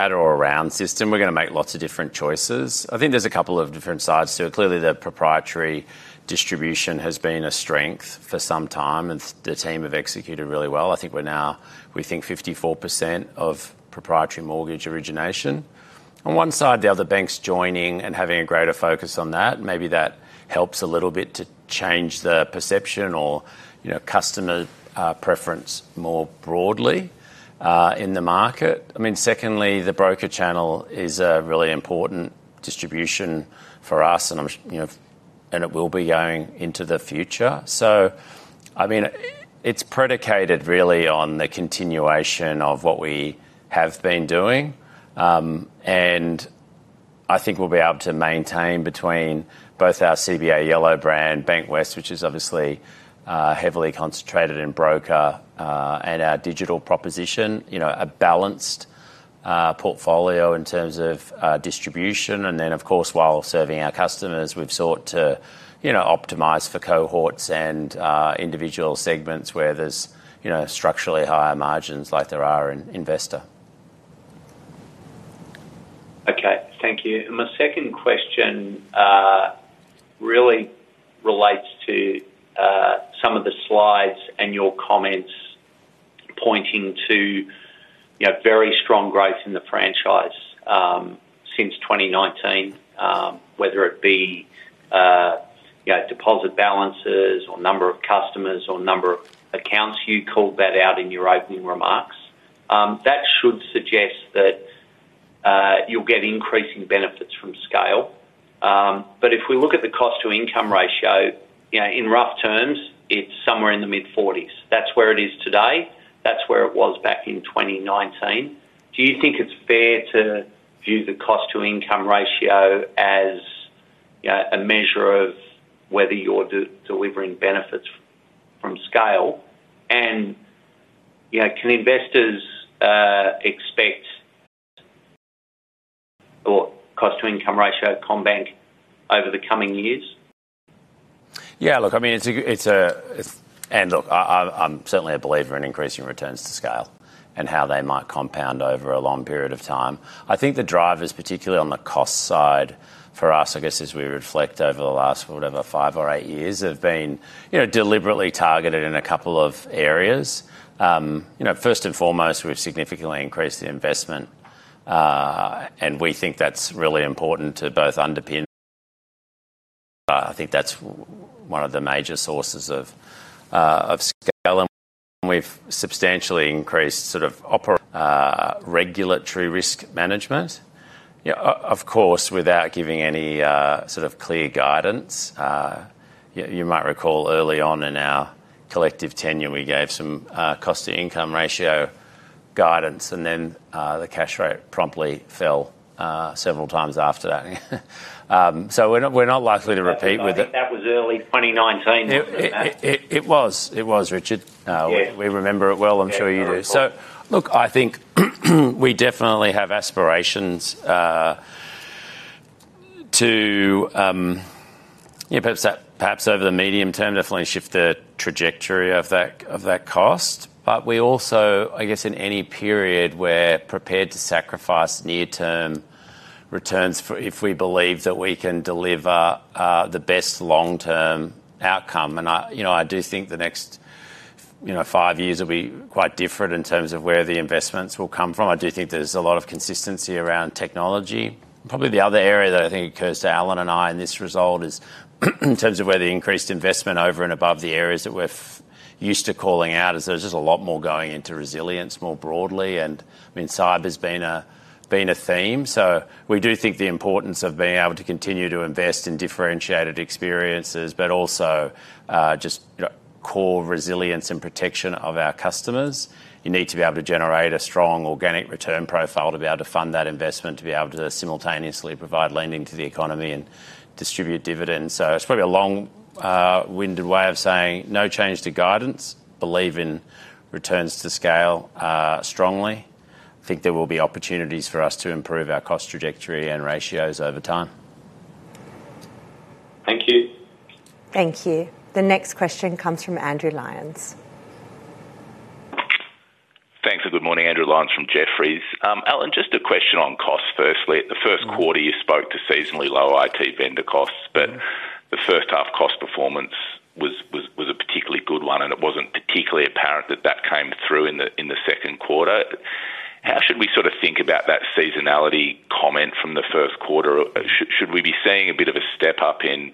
at or around the system. We are going to make lots of different choices. I think there are a couple of different sides to it. Clearly, the proprietary distribution has been a strength for some time and the team have executed really well. I think we are now, we think, 54% of proprietary mortgage origination. On one side, the other banks joining and having a greater focus on that, maybe that helps a little bit to change the perception or, you know, customer preference more broadly in the market. I mean, secondly, the broker channel is a really important distribution for us and I am, you know, and it will be going into the future. So, I mean, it is predicated really on the continuation of what we have been doing. And I think we will be able to maintain between both our CommBank Yello brand, Bankwest, which is obviously heavily concentrated in broker, and our digital proposition, you know, a balanced portfolio in terms of distribution. And then, of course, while serving our customers we have sought to, you know, optimise for cohorts and individual segments where there are, you know, structurally higher margins like there are in Investor. Okay. Thank you. And my second question really relates to some of the slides and your comments pointing to, you know, very strong growth in the franchise since 2019, whether it be, you know, deposit balances or number of customers or number of accounts, you called that out in your opening remarks. That should suggest that you will get increasing benefits from scale. But if we look at the cost-to-income ratio, you know, in rough terms, it is somewhere in the mid-40s. That is where it is today. That is where it was back in 2019. Do you think it is fair to view the cost-to-income ratio as, you know, a measure of whether you are delivering benefits from scale? And, you know, can investors expect or cost-to-income ratio at CommBank over the coming years? Yeah, look, I mean, it is a and look, I am certainly a believer in increasing returns to scale and how they might compound over a long period of time. I think the drivers, particularly on the cost side for us, I guess, as we reflect over the last, whatever, five or eight years, have been, you know, deliberately targeted in a couple of areas. You know, first and foremost, we have significantly increased the investment and we think that is really important to both underpin. I think that is one of the major sources of scale and we have substantially increased sort of regulatory risk management. You know, of course, without giving any sort of clear guidance, you might recall early on in our collective tenure we gave some cost-to-income ratio guidance and then the cash rate promptly fell several times after that. So we are not likely to repeat with. I think that was early 2019, wasn't it, Matt? It was. It was, Richard. We remember it well, I am sure you do. So, look, I think we definitely have aspirations to, you know, perhaps over the medium term definitely shift the trajectory of that cost. But we also, I guess, in any period we are prepared to sacrifice near-term returns for if we believe that we can deliver the best long-term outcome. And I, you know, I do think the next, you know, five years will be quite different in terms of where the investments will come from. I do think there is a lot of consistency around technology. Probably the other area that I think occurs to Alan and I in this result is in terms of where the increased investment over and above the areas that we are used to calling out is there is just a lot more going into resilience more broadly. And, I mean, cyber has been a theme. So we do think the importance of being able to continue to invest in differentiated experiences but also just, you know, core resilience and protection of our customers. You need to be able to generate a strong organic return profile to be able to fund that investment, to be able to simultaneously provide lending to the economy and distribute dividends. So it is probably a long-winded way of saying no change to guidance, believe in returns to scale strongly. I think there will be opportunities for us to improve our cost trajectory and ratios over time. Thank you. Thank you. The next question comes from Andrew Lyons. Thanks and good morning, Andrew Lyons from Jefferies. Alan, just a question on costs firstly. The first quarter you spoke to seasonally low IT vendor costs but the first half cost performance was a particularly good one and it wasn't particularly apparent that that came through in the second quarter. How should we sort of think about that seasonality comment from the first quarter? Should we be seeing a bit of a step up in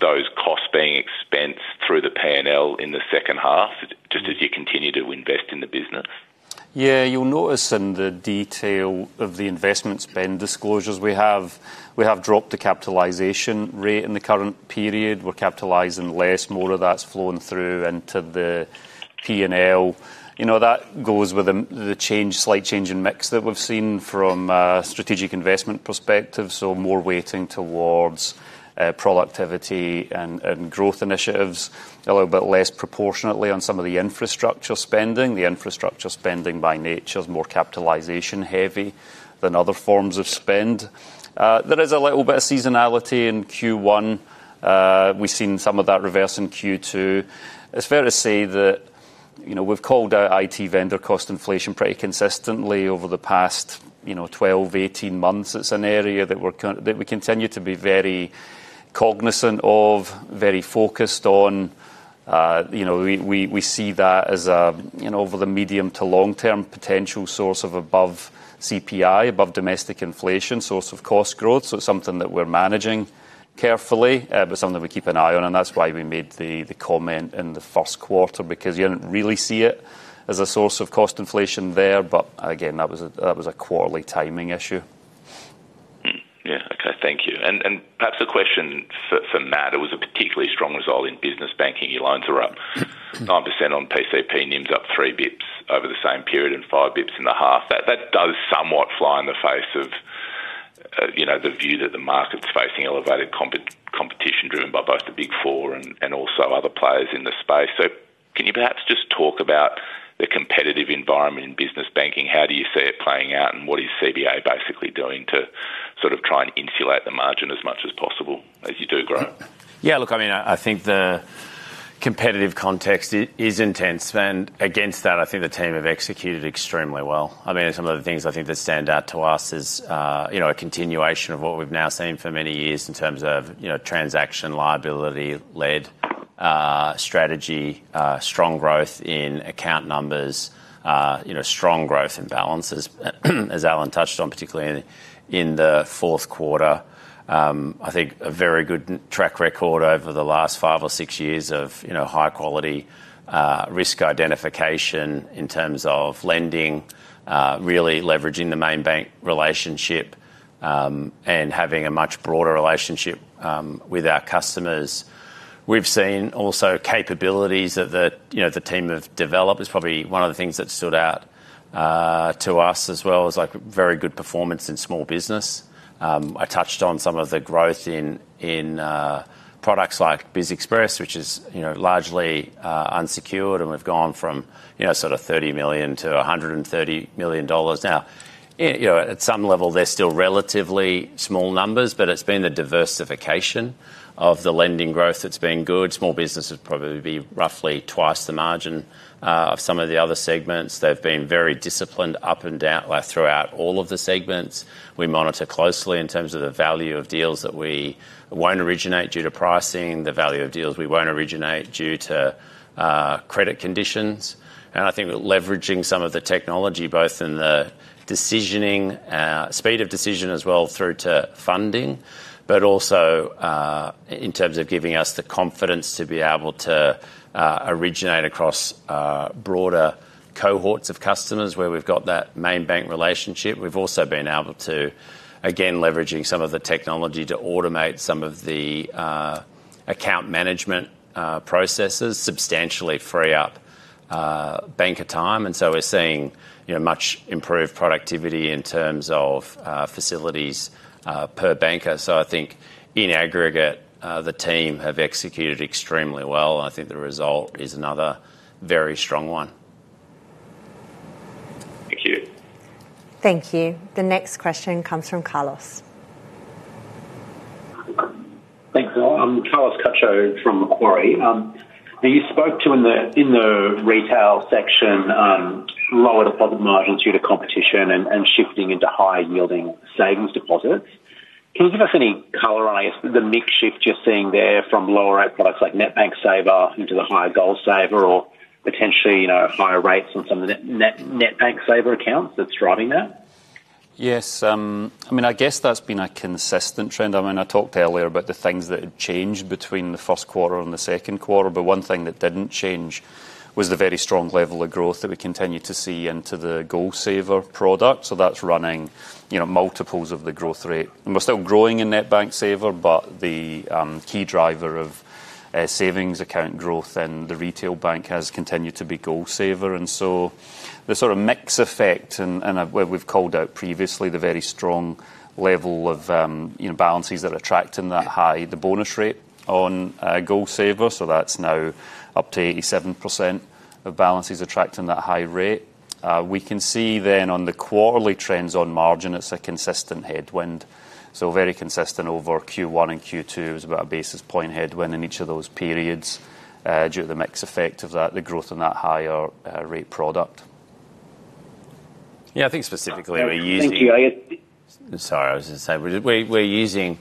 those costs being expensed through the P&L in the second half just as you continue to invest in the business? Yeah, you will notice in the detail of the investment spend disclosures we have dropped the capitalization rate in the current period. We are capitalizing less. More of that is flowing through into the P&L. You know, that goes with the change, slight change in mix that we have seen from a strategic investment perspective. So more weighting towards productivity and growth initiatives, a little bit less proportionately on some of the infrastructure spending. The infrastructure spending by nature is more capitalization-heavy than other forms of spend. There is a little bit of seasonality in Q1. We have seen some of that reverse in Q2. It is fair to say that, you know, we have called out IT vendor cost inflation pretty consistently over the past, you know, 12, 18 months. It is an area that we continue to be very cognizant of, very focused on. You know, we see that as a, you know, over the medium- to long-term potential source of above CPI, above domestic inflation, source of cost growth. It is something that we are managing carefully but something that we keep an eye on and that is why we made the comment in the first quarter because you didn't really see it as a source of cost inflation there but, again, that was a quarterly timing issue. Yeah. Okay. Thank you. Perhaps a question for Matt. It was a particularly strong result in business banking. Your loans are up 9% on PCP. NIMs up 3 basis points over the same period and 5 basis points in the half. That does somewhat fly in the face of, you know, the view that the market is facing elevated competition driven by both the Big Four and also other players in the space. So can you perhaps just talk about the competitive environment in business banking? How do you see it playing out and what is CBA basically doing to sort of try and insulate the margin as much as possible as you do grow? Yeah, look, I mean, I think the competitive context is intense and against that I think the team have executed extremely well. I mean, some of the things I think that stand out to us is, you know, a continuation of what we have now seen for many years in terms of, you know, transaction liability-led strategy, strong growth in account numbers, you know, strong growth in balances, as Alan touched on particularly in the fourth quarter. I think a very good track record over the last five or six years of, you know, high-quality risk identification in terms of lending, really leveraging the main bank relationship and having a much broader relationship with our customers. We have seen also capabilities that the, you know, the team have developed is probably one of the things that stood out to us as well as, like, very good performance in small business. I touched on some of the growth in products like BizExpress which is, you know, largely unsecured and we have gone from, you know, sort of 30 million to 130 million dollars. Now, you know, at some level they are still relatively small numbers but it has been the diversification of the lending growth that has been good. Small business has probably been roughly twice the margin of some of the other segments. They have been very disciplined up and down throughout all of the segments. We monitor closely in terms of the value of deals that we won't originate due to pricing, the value of deals we won't originate due to credit conditions. And I think leveraging some of the technology both in the decisioning, speed of decision as well through to funding but also in terms of giving us the confidence to be able to originate across broader cohorts of customers where we have got that main bank relationship. We have also been able to, again, leveraging some of the technology to automate some of the account management processes substantially free up banker time. And so we are seeing, you know, much improved productivity in terms of facilities per banker. So I think in aggregate the team have executed extremely well and I think the result is another very strong one. Thank you. Thank you. The next question comes from Carlos. Thanks, Mel. I am Carlos Cacho from Macquarie. You spoke to in the retail section lower deposit margins due to competition and shifting into high-yielding savings deposits. Can you give us any color on, I guess, the mix shift you are seeing there from lower-rate products like NetBank Saver into the higher GoalSaver or potentially, you know, higher rates on some of the NetBank Saver accounts that are driving that? Yes. I mean, I guess that has been a consistent trend. I mean, I talked earlier about the things that had changed between the first quarter and the second quarter but one thing that didn't change was the very strong level of growth that we continue to see into the GoalSaver product. So that is running, you know, multiples of the growth rate. And we are still growing in NetBank Saver but the key driver of savings account growth in the retail bank has continued to be GoalSaver. And so the sort of mix effect and where we have called out previously the very strong level of, you know, balances that are attracting that high, the bonus rate on GoalSaver. So that is now up to 87% of balances attracting that high rate. We can see then on the quarterly trends on margin it is a consistent headwind. So very consistent over Q1 and Q2. It was about a basis point headwind in each of those periods due to the mix effect of that, the growth in that higher rate product. Yeah, I think specifically we are using. Thank you. I guess. Sorry, I was going to say we are using,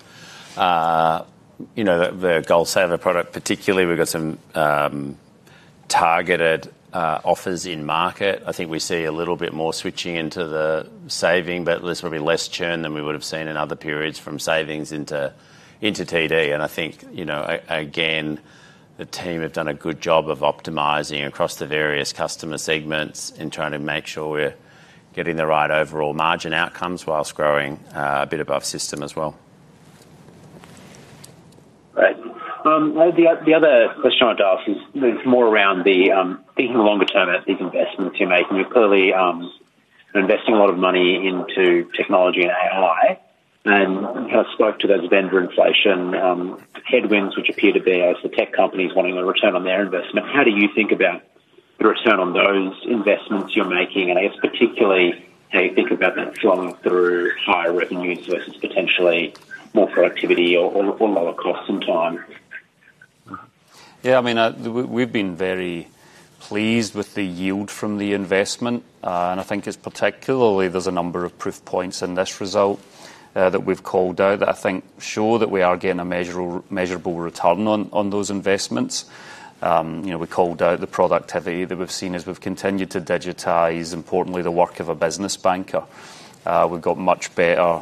you know, the GoalSaver product particularly. We have got some targeted offers in market. I think we see a little bit more switching into the savings but there is probably less churn than we would have seen in other periods from savings into TD. I think, you know, again, the team have done a good job of optimizing across the various customer segments and trying to make sure we are getting the right overall margin outcomes while growing a bit above system as well. Great. The other question I wanted to ask is more around the thinking longer term at these investments you are making. You are clearly investing a lot of money into technology and AI and you kind of spoke to those vendor inflation headwinds which appear to be, I guess, the tech companies wanting a return on their investment. How do you think about the return on those investments you are making and, I guess, particularly how you think about that flowing through higher revenues versus potentially more productivity or lower costs in time? Yeah, I mean, we have been very pleased with the yield from the investment and I think it is, particularly, there is a number of proof points in this result that we have called out that I think show that we are getting a measurable return on those investments. You know, we called out the productivity that we have seen as we have continued to digitize, importantly the work of a business banker. We have got much better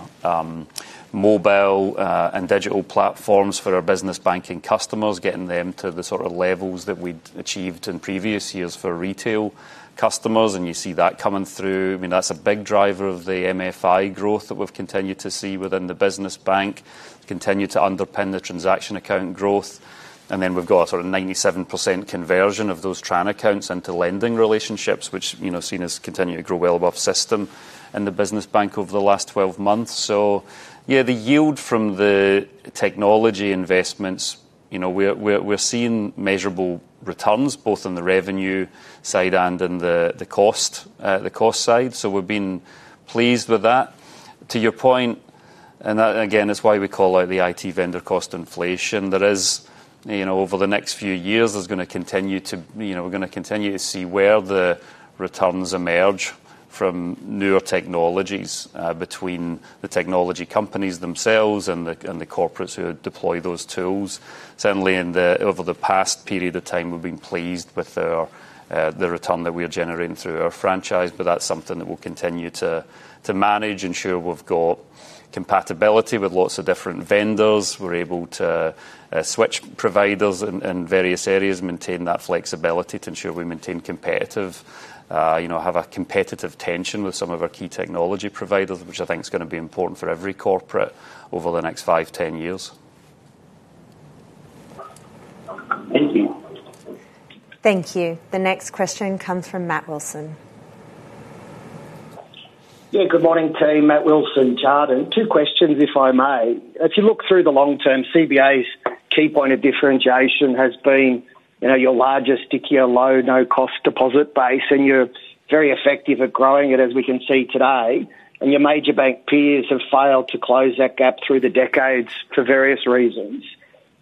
mobile and digital platforms for our business banking customers, getting them to the sort of levels that we had achieved in previous years for retail customers and you see that coming through. I mean, that is a big driver of the MFI growth that we have continued to see within the business bank, continue to underpin the transaction account growth. And then we have got a sort of 97% conversion of those transaction accounts into lending relationships which, you know, are seen as continuing to grow well above system in the business bank over the last 12 months. So, yeah, the yield from the technology investments, you know, we are seeing measurable returns both in the revenue side and in the cost side. So we have been pleased with that. To your point, and that, again, is why we call out the IT vendor cost inflation. There is, you know, over the next few years there is going to continue to, you know, we are going to continue to see where the returns emerge from newer technologies between the technology companies themselves and the corporates who deploy those tools. Certainly over the past period of time we have been pleased with the return that we are generating through our franchise, but that is something that we will continue to manage and ensure we have got compatibility with lots of different vendors. We are able to switch providers in various areas, maintain that flexibility to ensure we maintain competitive, you know, have a competitive tension with some of our key technology providers, which I think is going to be important for every corporate over the next five, 10 years. Thank you. Thank you. The next question comes from Matt Wilson. Yeah, good morning team. Matt Wilson, Jarden. Two questions if I may. If you look through the long-term CBA's key point of differentiation has been, you know, your largest stickier low no-cost deposit base and you are very effective at growing it as we can see today and your major bank peers have failed to close that gap through the decades for various reasons.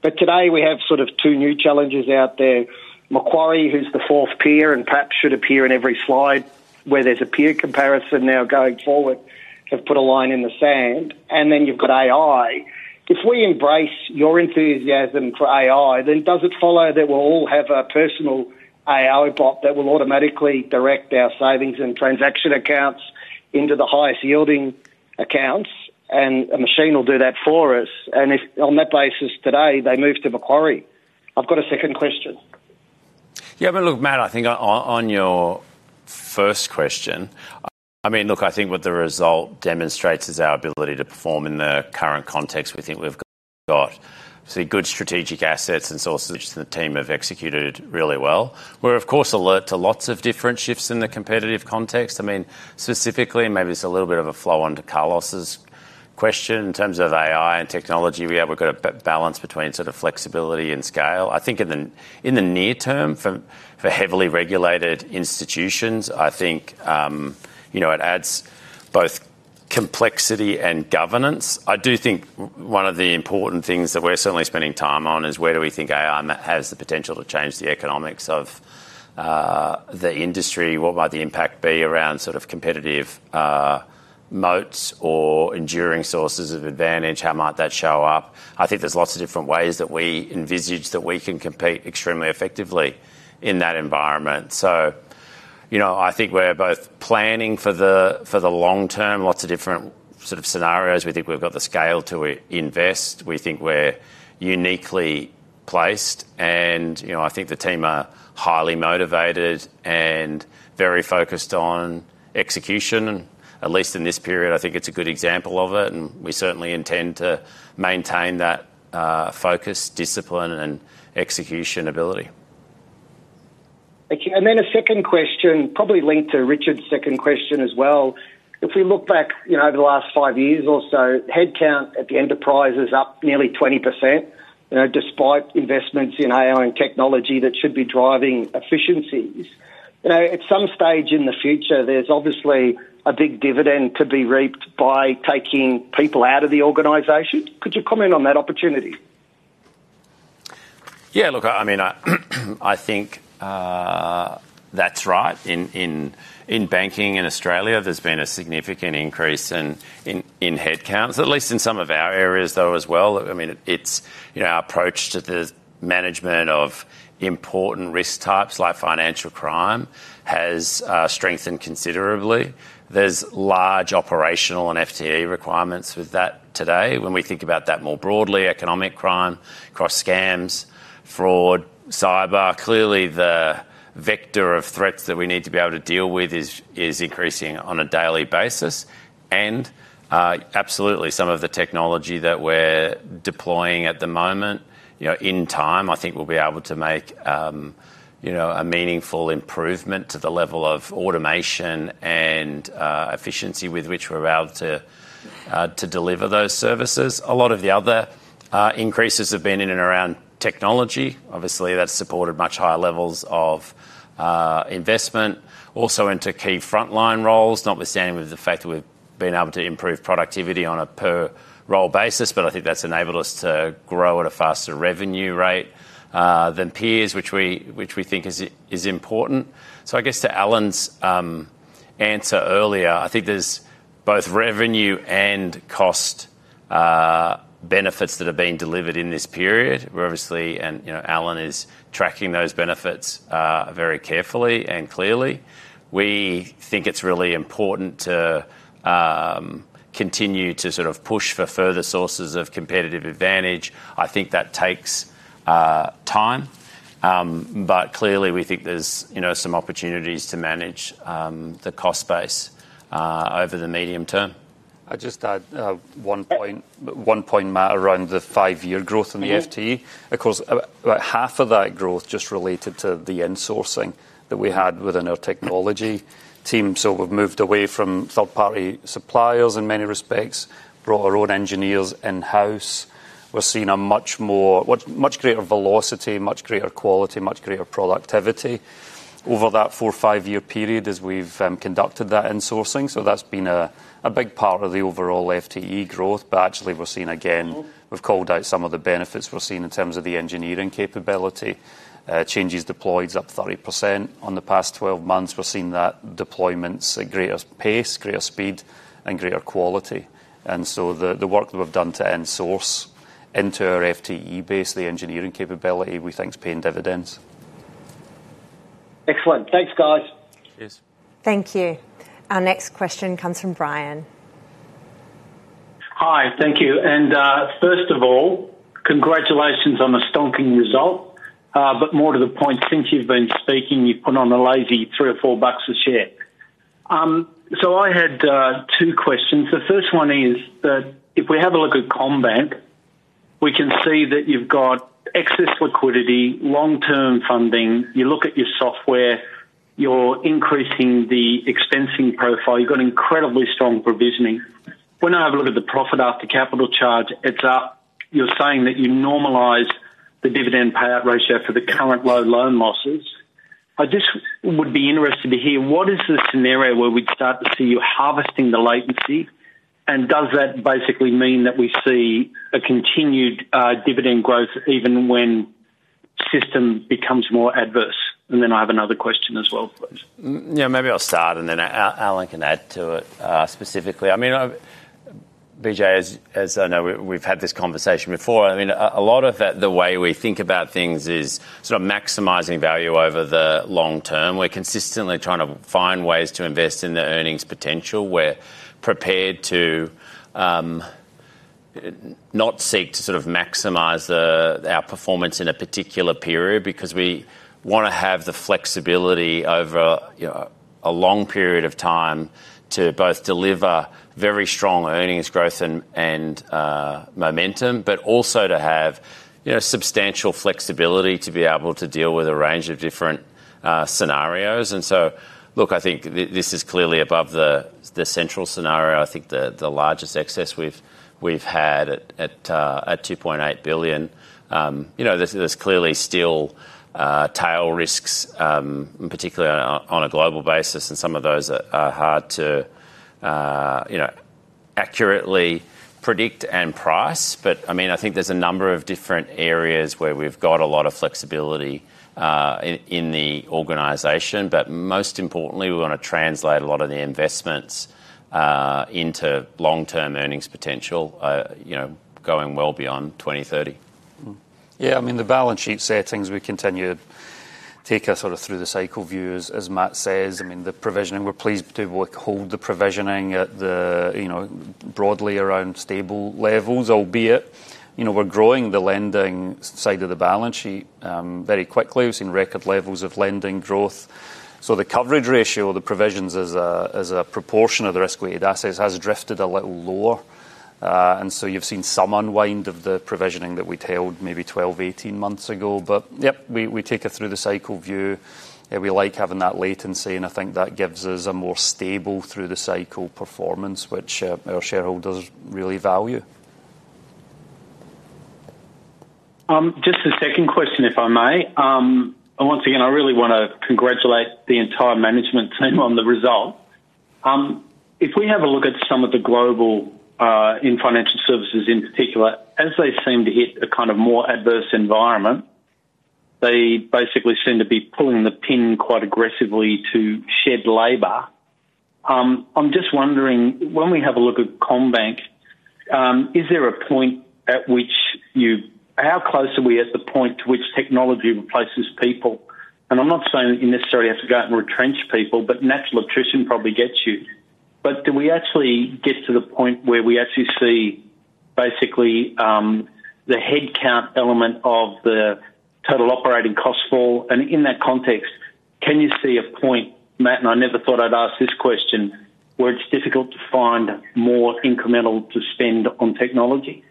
But today we have sort of two new challenges out there. Macquarie who is the fourth peer and perhaps should appear in every slide where there is a peer comparison now going forward have put a line in the sand and then you have got AI. If we embrace your enthusiasm for AI then does it follow that we will all have a personal AI bot that will automatically direct our savings and transaction accounts into the highest yielding accounts and a machine will do that for us? And on that basis today they moved to Macquarie. I have got a second question. Yeah, I mean, look, Matt, I think on your first question, I mean, look, I think what the result demonstrates is our ability to perform in the current context we think we have got. So good strategic assets and sources. And the team have executed really well. We are, of course, alert to lots of different shifts in the competitive context. I mean, specifically maybe it is a little bit of a flow onto Carlos's question in terms of AI and technology. We have got a balance between sort of flexibility and scale. I think in the near term for heavily regulated institutions I think, you know, it adds both complexity and governance. I do think one of the important things that we are certainly spending time on is where do we think AI has the potential to change the economics of the industry? What might the impact be around sort of competitive moats or enduring sources of advantage? How might that show up? I think there are lots of different ways that we envisage that we can compete extremely effectively in that environment. So, you know, I think we are both planning for the long-term, lots of different sort of scenarios. We think we have got the scale to invest. We think we are uniquely placed and, you know, I think the team are highly motivated and very focused on execution and at least in this period I think it is a good example of it and we certainly intend to maintain that focus, discipline, and execution ability. Thank you. And then a second question, probably linked to Richard's second question as well. If we look back, you know, over the last five years or so, headcount at the enterprise is up nearly 20%, you know, despite investments in AI and technology that should be driving efficiencies. You know, at some stage in the future there is obviously a big dividend to be reaped by taking people out of the organization. Could you comment on that opportunity? Yeah, look, I mean, I think that is right. In banking in Australia, there has been a significant increase in headcounts, at least in some of our areas though as well. I mean, it is, you know, our approach to the management of important risk types like financial crime has strengthened considerably. There are large operational and FTE requirements with that today. When we think about that more broadly, economic crime, cross scams, fraud, cyber, clearly the vector of threats that we need to be able to deal with is increasing on a daily basis. And absolutely some of the technology that we are deploying at the moment, you know, in time I think we will be able to make, you know, a meaningful improvement to the level of automation and efficiency with which we are able to deliver those services. A lot of the other increases have been in and around technology. Obviously that has supported much higher levels of investment. Also into key frontline roles, notwithstanding the fact that we have been able to improve productivity on a per role basis but I think that has enabled us to grow at a faster revenue rate than peers which we think is important. So I guess to Alan's answer earlier, I think there is both revenue and cost benefits that have been delivered in this period. We are obviously, and, you know, Alan is tracking those benefits very carefully and clearly. We think it is really important to continue to sort of push for further sources of competitive advantage. I think that takes time but clearly we think there are, you know, some opportunities to manage the cost base over the medium term. I just add one point, one point, Matt, around the five-year growth in the FTE. Of course, about half of that growth just related to the insourcing that we had within our technology team. So we have moved away from third-party suppliers in many respects, brought our own engineers in-house. We are seeing a much more, much greater velocity, much greater quality, much greater productivity over that 4-5-year period as we have conducted that insourcing. So that has been a big part of the overall FTE growth but actually we are seeing again, we have called out some of the benefits we are seeing in terms of the engineering capability. Changes deployed is up 30% on the past 12 months. We are seeing that deployments at greater pace, greater speed, and greater quality. And so the work that we have done to insource into our FTE base the engineering capability we think is paying dividends. Excellent. Thanks, guys. Yes. Thank you. Our next question comes from Brian. Hi. Thank you. And first of all, congratulations on the stonking result but more to the point, since you have been speaking you put on a lazy 3 or 4 bucks a share. So I had two questions. The first one is that if we have a look at CommBank we can see that you have got excess liquidity, long-term funding. You look at your software, you are increasing the expensing profile. You have got incredibly strong provisioning. When I have a look at the profit after capital charge it is up. You are saying that you normalized the dividend payout ratio for the current low loan losses. I just would be interested to hear what is the scenario where we would start to see you harvesting the latency, and does that basically mean that we see a continued dividend growth even when system becomes more adverse? And then I have another question as well, please. Yeah, maybe I will start, and then Alan can add to it specifically. I mean, BJ, as I know we have had this conversation before, I mean, a lot of the way we think about things is sort of maximizing value over the long term. We are consistently trying to find ways to invest in the earnings potential. We are prepared to not seek to sort of maximize our performance in a particular period because we want to have the flexibility over, you know, a long period of time to both deliver very strong earnings growth and momentum but also to have, you know, substantial flexibility to be able to deal with a range of different scenarios. And so, look, I think this is clearly above the central scenario. I think the largest excess we have had at 2.8 billion. You know, there are clearly still tail risks particularly on a global basis and some of those are hard to, you know, accurately predict and price but, I mean, I think there is a number of different areas where we have got a lot of flexibility in the organisation but most importantly we want to translate a lot of the investments into long-term earnings potential, you know, going well beyond 2030. Yeah, I mean, the balance sheet settings will continue to take us sort of through the cycle view as Matt says. I mean, the provisioning, we are pleased to withhold the provisioning at the, you know, broadly around stable levels albeit, you know, we are growing the lending side of the balance sheet very quickly. We have seen record levels of lending growth. So the coverage ratio or the provisions as a proportion of the risk-weighted assets has drifted a little lower and so you have seen some unwind of the provisioning that we had held maybe 12, 18 months ago but, yep, we take it through the cycle view. We like having that latency and I think that gives us a more stable through the cycle performance which our shareholders really value. Just a second question if I may. Once again, I really want to congratulate the entire management team on the result. If we have a look at some of the global peers in financial services in particular, as they seem to hit a kind of more adverse environment, they basically seem to be pulling the pin quite aggressively to shed labour. I am just wondering, when we have a look at CommBank, is there a point at which you, how close are we to the point to which technology replaces people? I am not saying that you necessarily have to go out and retrench people but natural attrition probably gets you. But do we actually get to the point where we actually see basically the headcount element of the total operating cost fall and in that context can you see a point, Matt, and I never thought I would ask this question, where it is difficult to find more incremental to spend on technology?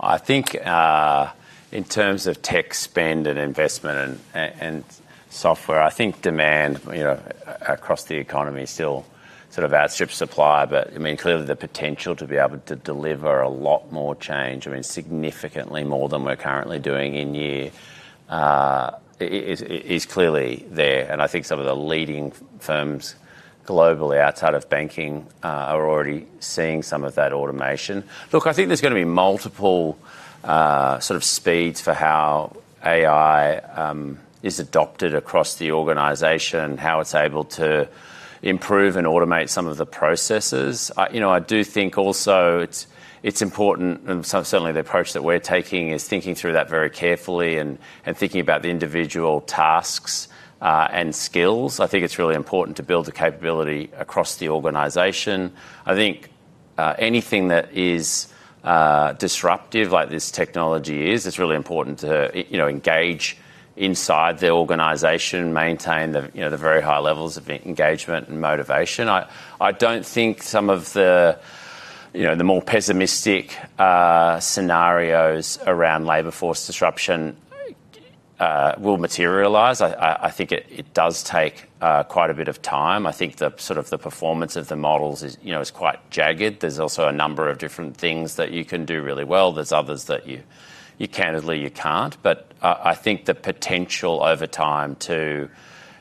I think in terms of tech spend and investment and software, I think demand, you know, across the economy is still sort of outstrips supply but, I mean, clearly the potential to be able to deliver a lot more change, I mean, significantly more than we are currently doing in year is clearly there, and I think some of the leading firms globally outside of banking are already seeing some of that automation. Look, I think there is going to be multiple sort of speeds for how AI is adopted across the organization, how it is able to improve and automate some of the processes. You know, I do think also it is important and certainly the approach that we are taking is thinking through that very carefully and thinking about the individual tasks and skills. I think it is really important to build the capability across the organization. I think anything that is disruptive like this technology is. It is really important to, you know, engage inside the organization, maintain the, you know, the very high levels of engagement and motivation. I do not think some of the, you know, the more pessimistic scenarios around labor force disruption will materialize. I think it does take quite a bit of time. I think the sort of the performance of the models is, you know, quite jagged. There is also a number of different things that you can do really well. There are others that you candidly you cannot but I think the potential over time to,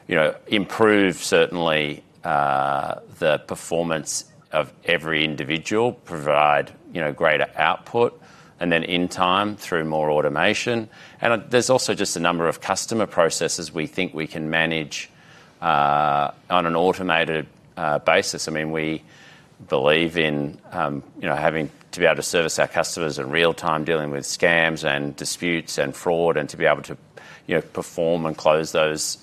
you know, improve certainly the performance of every individual, provide, you know, greater output and then in time through more automation. And there is also just a number of customer processes we think we can manage on an automated basis. I mean, we believe in, you know, having to be able to service our customers in real-time, dealing with scams and disputes and fraud and to be able to, you know, perform and close those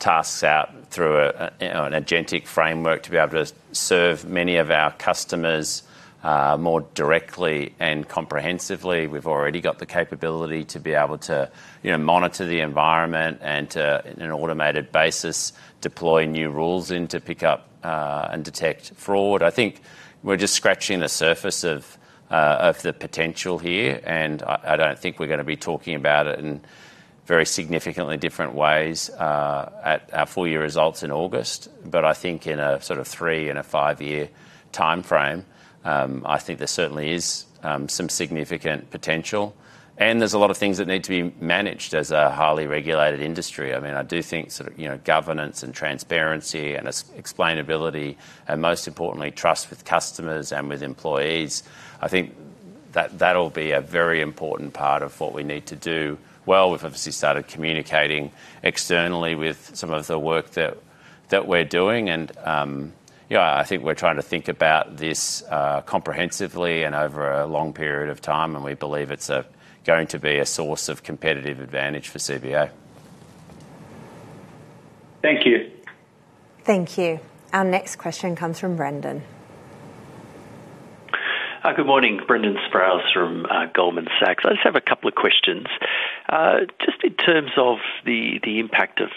tasks out through an agentic framework to be able to serve many of our customers more directly and comprehensively. We have already got the capability to be able to, you know, monitor the environment and to, on an automated basis, deploy new rules in to pick up and detect fraud. I think we are just scratching the surface of the potential here and I do not think we are going to be talking about it in very significantly different ways at our full-year results in August but I think in a sort of three and a five-year timeframe I think there certainly is some significant potential. And there are a lot of things that need to be managed as a highly regulated industry. I mean, I do think sort of, you know, governance and transparency and explainability and most importantly trust with customers and with employees, I think that that will be a very important part of what we need to do. Well, we have obviously started communicating externally with some of the work that we are doing and, you know, I think we are trying to think about this comprehensively and over a long period of time and we believe it is going to be a source of competitive advantage for CBA. Thank you. Thank you. Our next question comes from Brendan. Good morning. Brendan Sproules from Goldman Sachs. I just have a couple of questions. Just in terms of the impact of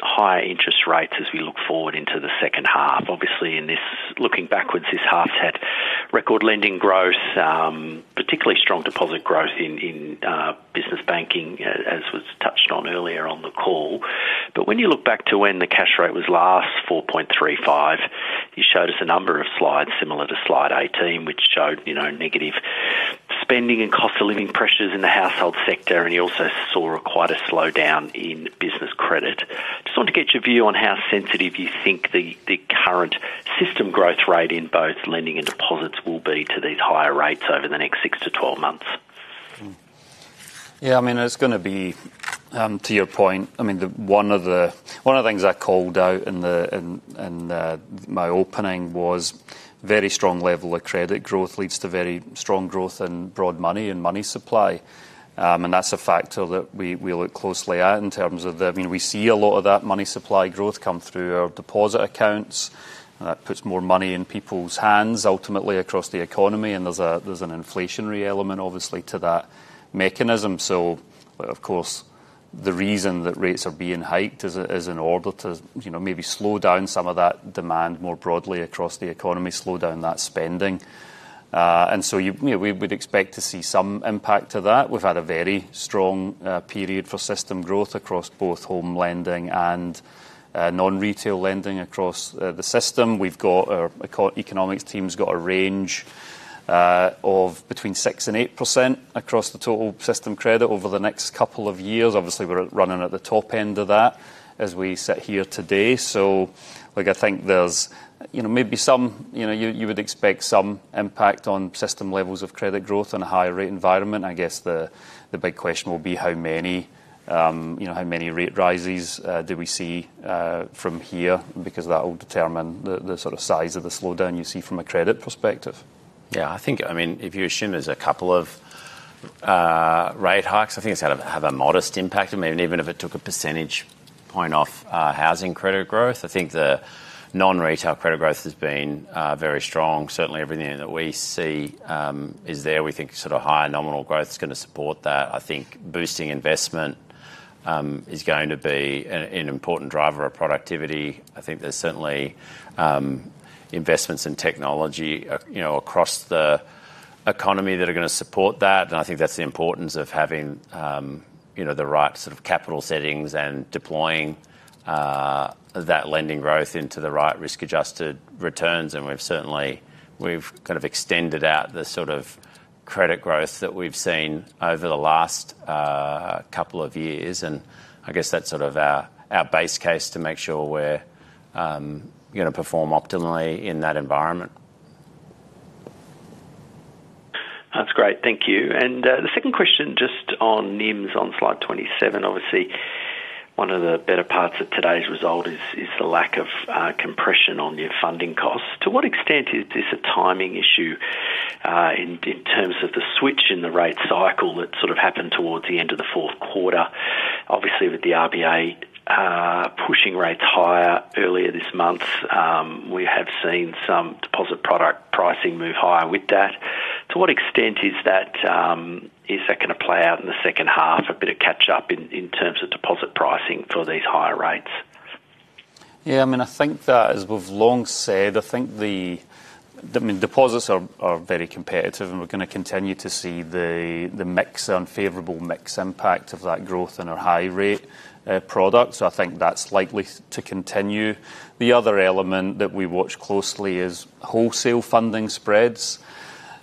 higher interest rates as we look forward into the second half, obviously in this, looking backwards this half has had record lending growth, particularly strong deposit growth in business banking as was touched on earlier on the call. But when you look back to when the Cash Rate was last 4.35%, you showed us a number of slides similar to Slide 18 which showed, you know, negative spending and cost of living pressures in the household sector and you also saw quite a slowdown in business credit. Just want to get your view on how sensitive you think the current system growth rate in both lending and deposits will be to these higher rates over the next six to 12 months? Yeah, I mean, it is going to be, to your point, I mean, one of the things I called out in my opening was very strong level of credit growth leads to very strong growth in broad money and money supply and that is a factor that we look closely at in terms of the, I mean, we see a lot of that money supply growth come through our deposit accounts and that puts more money in people's hands ultimately across the economy and there is an inflationary element obviously to that mechanism. So, of course, the reason that rates are being hiked is in order to, you know, maybe slow down some of that demand more broadly across the economy, slow down that spending. So, you know, we would expect to see some impact to that. We have had a very strong period for system growth across both home lending and non-retail lending across the system. We have got, our economics team has got a range of between 6% and 8% across the total system credit over the next couple of years. Obviously, we are running at the top end of that as we sit here today. So, look, I think there is, you know, maybe some, you know, you would expect some impact on system levels of credit growth in a higher rate environment. I guess the big question will be how many, you know, how many rate rises do we see from here because that will determine the sort of size of the slowdown you see from a credit perspective. Yeah, I think, I mean, if you assume there is a couple of rate hikes, I think it is going to have a modest impact. I mean, even if it took a percentage point off housing credit growth, I think the non-retail credit growth has been very strong. Certainly, everything that we see is there. We think sort of higher nominal growth is going to support that. I think boosting investment is going to be an important driver of productivity. I think there are certainly investments in technology, you know, across the economy that are going to support that and I think that is the importance of having, you know, the right sort of capital settings and deploying that lending growth into the right risk-adjusted returns and we have certainly, we have kind of extended out the sort of credit growth that we have seen over the last couple of years and I guess that is sort of our base case to make sure we are going to perform optimally in that environment. That is great. Thank you. And the second question just on NIMs on slide 27, obviously one of the better parts of today's result is the lack of compression on your funding costs. To what extent is this a timing issue in terms of the switch in the rate cycle that sort of happened towards the end of the fourth quarter? Obviously, with the RBA pushing rates higher earlier this month, we have seen some deposit product pricing move higher with that. To what extent is that, is that going to play out in the second half, a bit of catch-up in terms of deposit pricing for these higher rates? Yeah, I mean, I think that as we have long said, I think the, I mean, deposits are very competitive and we are going to continue to see the mixed unfavorable mixed impact of that growth in our high rate products. So I think that is likely to continue. The other element that we watch closely is wholesale funding spreads.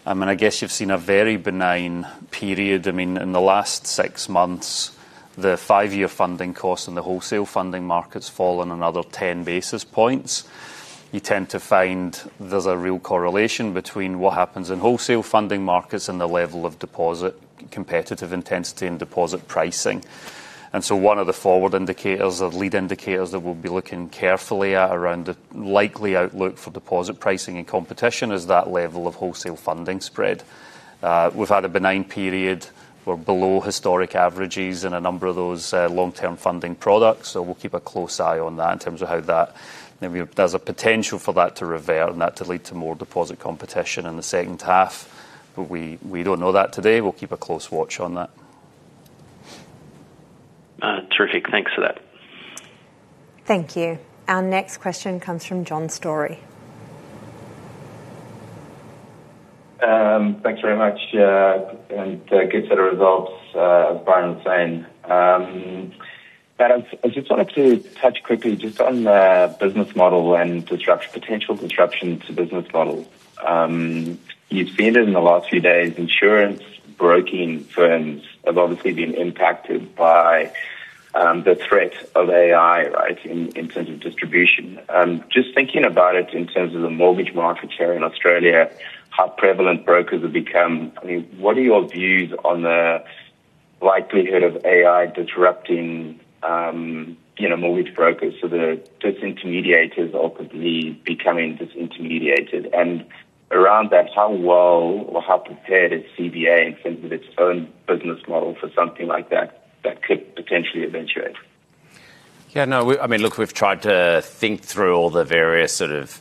I mean, I guess you have seen a very benign period. I mean, in the last six months, the five-year funding costs in the wholesale funding markets have fallen another 10 basis points. You tend to find there is a real correlation between what happens in wholesale funding markets and the level of deposit competitive intensity and deposit pricing. And so one of the forward indicators, the lead indicators that we will be looking carefully at around the likely outlook for deposit pricing and competition is that level of wholesale funding spread. We have had a benign period. We are below historic averages in a number of those long-term funding products. So we will keep a close eye on that in terms of how that, I mean, there is a potential for that to revert and that to lead to more deposit competition in the second half but we do not know that today. We will keep a close watch on that. Terrific. Thanks for that. Thank you. Our next question comes from John Storey. Thanks very much. Yeah, and good set of results as Brian was saying. Matt, I just wanted to touch quickly just on the business model and disruption, potential disruption to business models. You have seen it in the last few days. Insurance, broking firms have obviously been impacted by the threat of AI, right, in terms of distribution. Just thinking about it in terms of the mortgage market here in Australia, how prevalent brokers have become, I mean, what are your views on the likelihood of AI disrupting, you know, mortgage brokers so the disintermediators all could be becoming disintermediated? And around that, how well or how prepared is CBA in terms of its own business model for something like that that could potentially eventuate? Yeah, no, we, I mean, look, we have tried to think through all the various sort of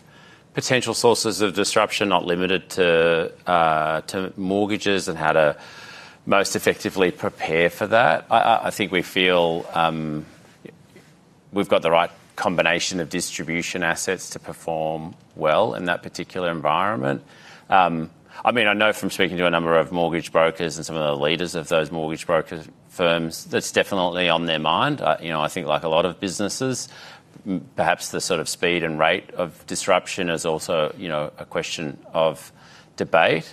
potential sources of disruption, not limited to mortgages and how to most effectively prepare for that. I think we feel we have got the right combination of distribution assets to perform well in that particular environment. I mean, I know from speaking to a number of mortgage brokers and some of the leaders of those mortgage broker firms, that is definitely on their mind. You know, I think like a lot of businesses, perhaps the sort of speed and rate of disruption is also, you know, a question of debate.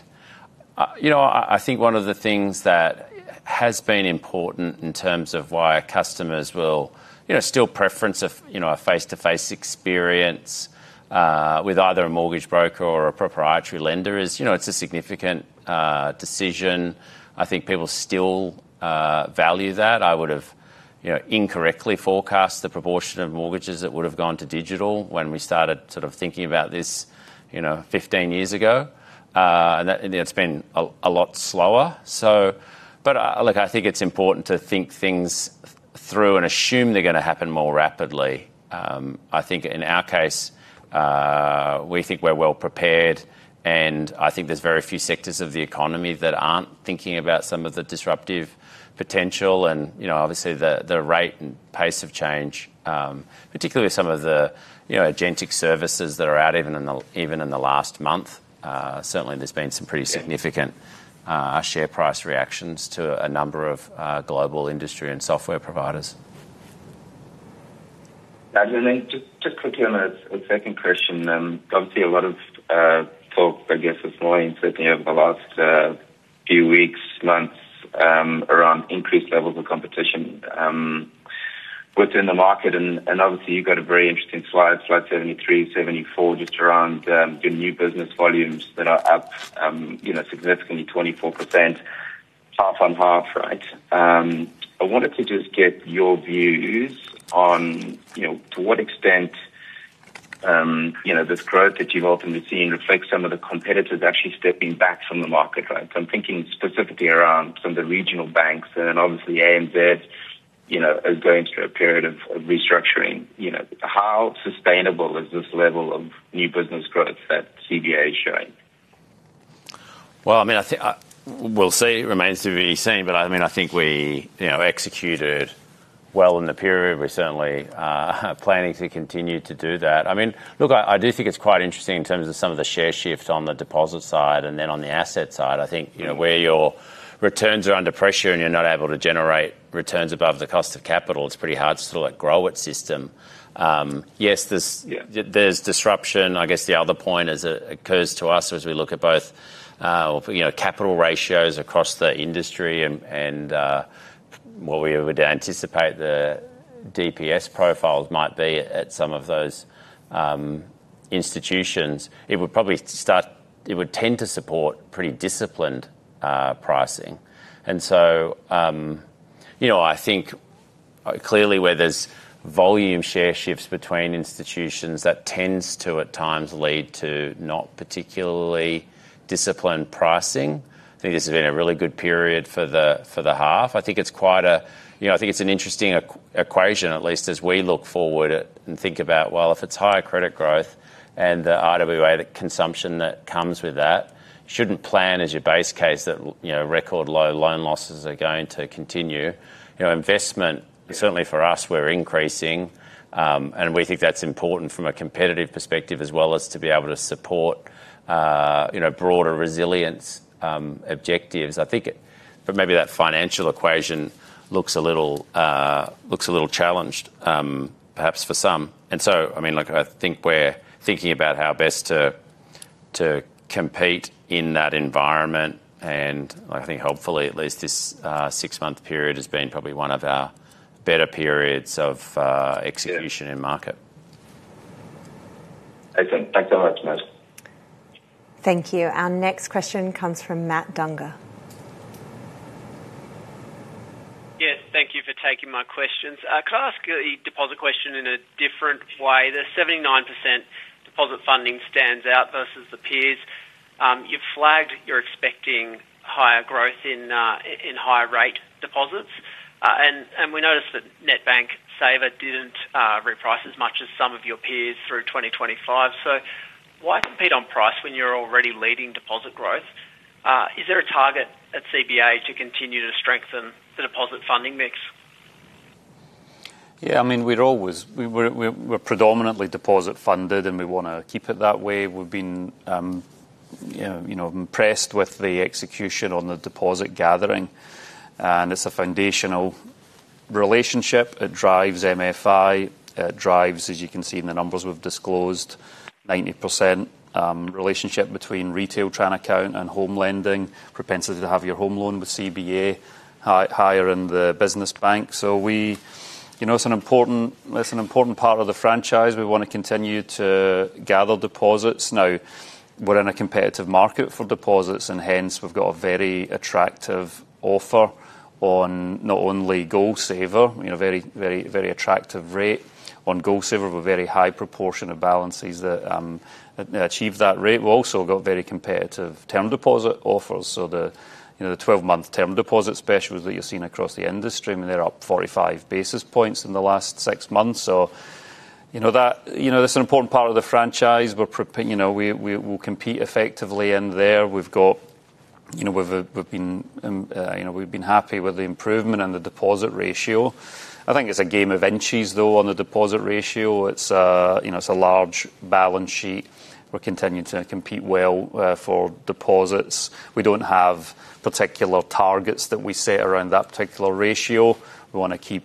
You know, I think one of the things that has been important in terms of why customers will, you know, still preference a, you know, a face-to-face experience with either a mortgage broker or a proprietary lender is, you know, it is a significant decision. I think people still value that. I would have, you know, incorrectly forecast the proportion of mortgages that would have gone to digital when we started sort of thinking about this, you know, 15 years ago and that, you know, it has been a lot slower. So, but look, I think it is important to think things through and assume they are going to happen more rapidly. I think in our case, we think we are well prepared and I think there are very few sectors of the economy that are not thinking about some of the disruptive potential and, you know, obviously the rate and pace of change, particularly some of the, you know, agentic services that are out even in the last month. Certainly, there have been some pretty significant share price reactions to a number of global industry and software providers. Matt, I mean, just quickly on a second question, obviously a lot of talk, I guess, has been going certainly over the last few weeks, months around increased levels of competition within the market and obviously you have got a very interesting slide, slide 73, 74 just around your new business volumes that are up, you know, significantly 24%, half on half, right? I wanted to just get your views on, you know, to what extent, you know, this growth that you have ultimately seen reflects some of the competitors actually stepping back from the market, right? So I am thinking specifically around some of the regional banks and then obviously ANZ, you know, is going through a period of restructuring. You know, how sustainable is this level of new business growth that CBA is showing? Well, I mean, I think, we will see, remains to be seen, but I mean, I think we, you know, executed well in the period. We are certainly planning to continue to do that. I mean, look, I do think it is quite interesting in terms of some of the share shift on the deposit side and then on the asset side. I think, you know, where your returns are under pressure and you are not able to generate returns above the cost of capital, it is pretty hard to sort of like grow its system. Yes, there is disruption. I guess the other point occurs to us as we look at both, you know, capital ratios across the industry and what we would anticipate the DPS profiles might be at some of those institutions, it would probably start, it would tend to support pretty disciplined pricing. And so, you know, I think clearly where there is volume share shifts between institutions, that tends to at times lead to not particularly disciplined pricing. I think this has been a really good period for the half. I think it is quite a, you know, I think it is an interesting equation, at least as we look forward and think about, well, if it is higher credit growth and the RWA consumption that comes with that, should not plan as your base case that, you know, record low loan losses are going to continue. You know, investment, certainly for us, we are increasing and we think that is important from a competitive perspective as well as to be able to support, you know, broader resilience objectives. I think, but maybe that financial equation looks a little, looks a little challenged perhaps for some. And so, I mean, look, I think we are thinking about how best to compete in that environment and I think hopefully at least this six-month period has been probably one of our better periods of execution in market. Excellent. Thanks so much, Matt. Thank you. Our next question comes from Matt Dunger. Yes, thank you for taking my questions. Can I ask a deposit question in a different way? The 79% deposit funding stands out versus the peers. You have flagged you are expecting higher growth in higher rate deposits and we noticed that NetBank Saver did not reprice as much as some of your peers through 2025. So why compete on price when you are already leading deposit growth? Is there a target at CBA to continue to strengthen the deposit funding mix? Yeah, I mean, we are always, we are predominantly deposit funded and we want to keep it that way. We have been, you know, impressed with the execution on the deposit gathering and it is a foundational relationship. It drives MFI. It drives, as you can see in the numbers we have disclosed, 90% relationship between retail transaction account and home lending, propensity to have your home loan with CBA, higher in the business bank. So we, you know, it is an important, it is an important part of the franchise. We want to continue to gather deposits. Now, we are in a competitive market for deposits and hence we have got a very attractive offer on not only GoalSaver, you know, very, very, very attractive rate on GoalSaver with a very high proportion of balances that achieve that rate. We have also got very competitive term deposit offers. So the, you know, the 12-month term deposit specials that you have seen across the industry, I mean, they are up 45 basis points in the last six months. So, you know, that, you know, it is an important part of the franchise. We are, you know, we will compete effectively in there. We have got, you know, we have been, you know, we have been happy with the improvement in the deposit ratio. I think it is a game of inches though on the deposit ratio. It is a, you know, it is a large balance sheet. We are continuing to compete well for deposits. We do not have particular targets that we set around that particular ratio. We want to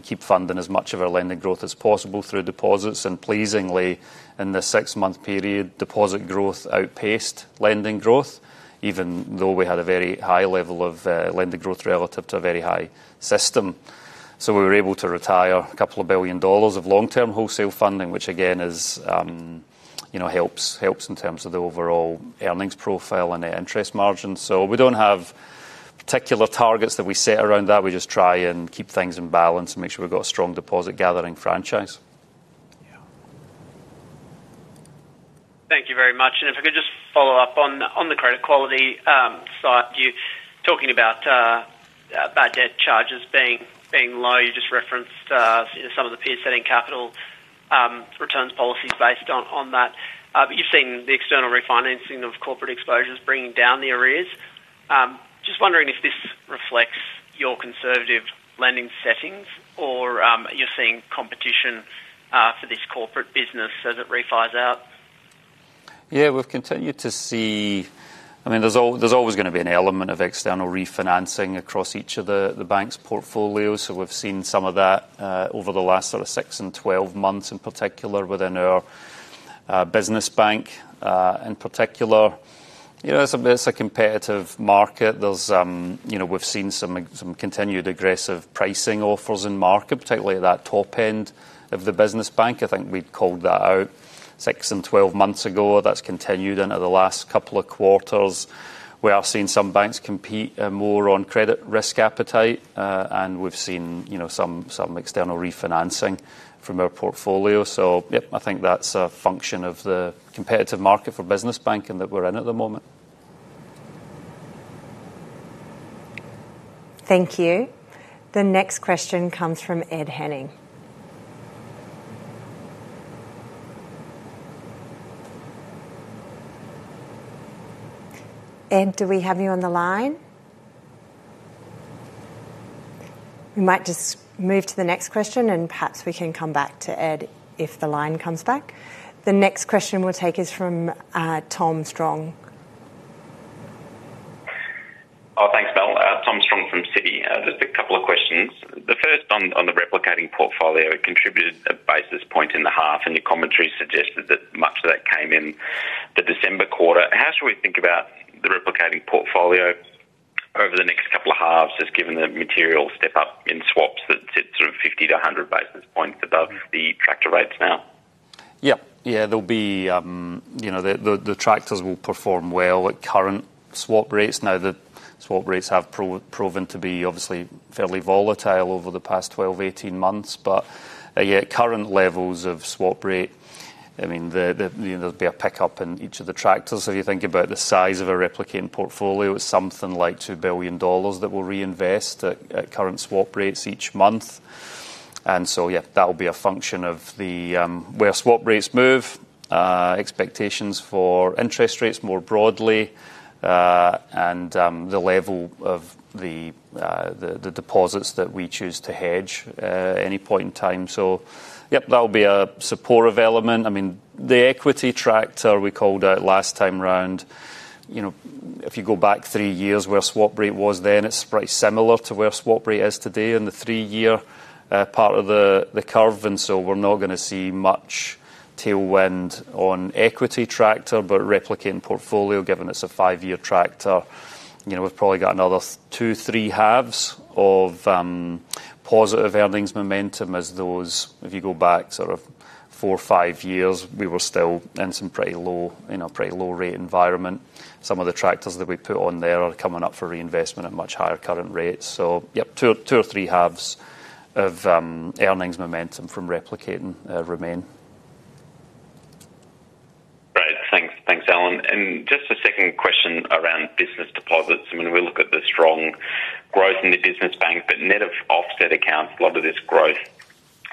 keep funding as much of our lending growth as possible through deposits and pleasingly in the six-month period, deposit growth outpaced lending growth even though we had a very high level of lending growth relative to a very high system. So we were able to retire 2 billion dollars of long-term wholesale funding which again is, you know, helps, helps in terms of the overall earnings profile and the interest margin. So we do not have particular targets that we set around that. We just try and keep things in balance and make sure we have got a strong deposit gathering franchise. Yeah. Thank you very much. And if I could just follow up on the credit quality side, you are talking about bad debt charges being low. You just referenced some of the peers setting capital returns policies based on that. But you have seen the external refinancing of corporate exposures bringing down the arrears. Just wondering if this reflects your conservative lending settings or you are seeing competition for this corporate business as it refis out? Yeah, we have continued to see, I mean, there is always going to be an element of external refinancing across each of the banks' portfolios. So we have seen some of that over the last sort of six and 12 months in particular within our business bank in particular. You know, it is a competitive market. There is, you know, we have seen some continued aggressive pricing offers in market, particularly at that top end of the business bank. I think we had called that out six and 12 months ago. That has continued into the last couple of quarters. We are seeing some banks compete more on credit risk appetite and we have seen, you know, some external refinancing from our portfolio. So yes, I think that is a function of the competitive market for business bank and that we are in at the moment. Thank you. The next question comes from Ed Henning. Ed, do we have you on the line? We might just move to the next question and perhaps we can come back to Ed if the line comes back. The next question we will take is from Tom Strong. Oh, thanks, Mel. Tom Strong from Citi. Just a couple of questions. The first on the replicating portfolio. It contributed a basis point in the half and your commentary suggested that much of that came in the December quarter. How should we think about the replicating portfolio over the next couple of halves just given the material step up in swaps that sit sort of 50-100 basis points above the tracker rates now? Yep. Yeah, there will be, you know, the trackers will perform well at current swap rates. Now, the swap rates have proven to be obviously fairly volatile over the past 12, 18 months, but yeah, current levels of swap rate, I mean, there will be a pickup in each of the factors. So if you think about the size of a replicating portfolio, it is something like 2 billion dollars that we will reinvest at current swap rates each month. And so yes, that will be a function of where swap rates move, expectations for interest rates more broadly and the level of the deposits that we choose to hedge at any point in time. So yes, that will be a supportive element. I mean, the equity factor, we called out last time round, you know, if you go back three years where swap rate was then, it is pretty similar to where swap rate is today in the three-year part of the curve. So we are not going to see much tailwind on equity tracker, but replicating portfolio given it is a five-year tracker, you know, we have probably got another two, three halves of positive earnings momentum as those, if you go back sort of four, five years, we were still in some pretty low, you know, pretty low rate environment. Some of the trackers that we put on there are coming up for reinvestment at much higher current rates. So yes, two or three halves of earnings momentum from replicating remain. Right. Thanks. Thanks, Alan. And just a second question around business deposits. I mean, we look at the strong growth in the business bank, but net of offset accounts, a lot of this growth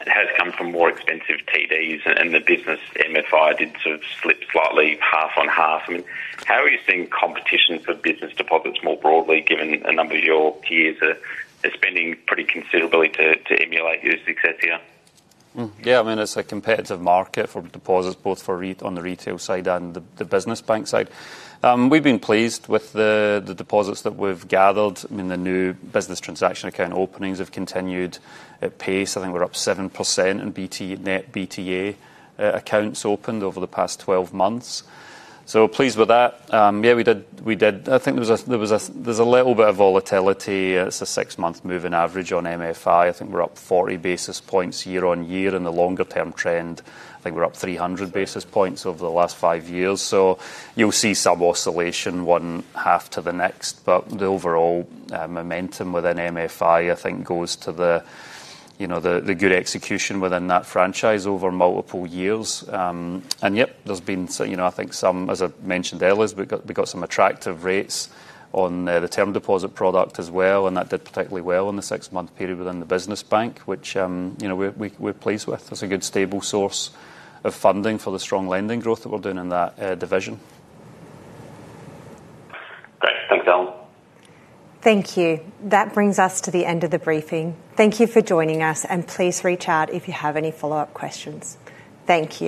has come from more expensive TDs and the business MFI did sort of slip slightly half on half. I mean, how are you seeing competition for business deposits more broadly given a number of your peers are spending pretty considerably to emulate your success here? Yeah, I mean, it is a competitive market for deposits both for on the retail side and the business bank side. We have been pleased with the deposits that we have gathered. I mean, the new business transaction account openings have continued at pace. I think we are up 7% in net BTA accounts opened over the past 12 months. So pleased with that. Yeah, we did, we did, I think there was a, there was a, there is a little bit of volatility. It is a six month moving average on MFI. I think we are up 40 basis points year-on-year in the longer-term trend. I think we are up 300 basis points over the last five years. So you will see some oscillation one half to the next, but the overall momentum within MFI I think goes to the, you know, the good execution within that franchise over multiple years. And yes, there has been, you know, I think some, as I mentioned, Ellis, we got some attractive rates on the term deposit product as well, and that did particularly well in the six-month period within the business bank, which, you know, we are pleased with. It is a good stable source of funding for the strong lending growth that we are doing in that division. Great. Thanks, Alan. Thank you. That brings us to the end of the briefing. Thank you for joining us and please reach out if you have any follow-up questions. Thank you.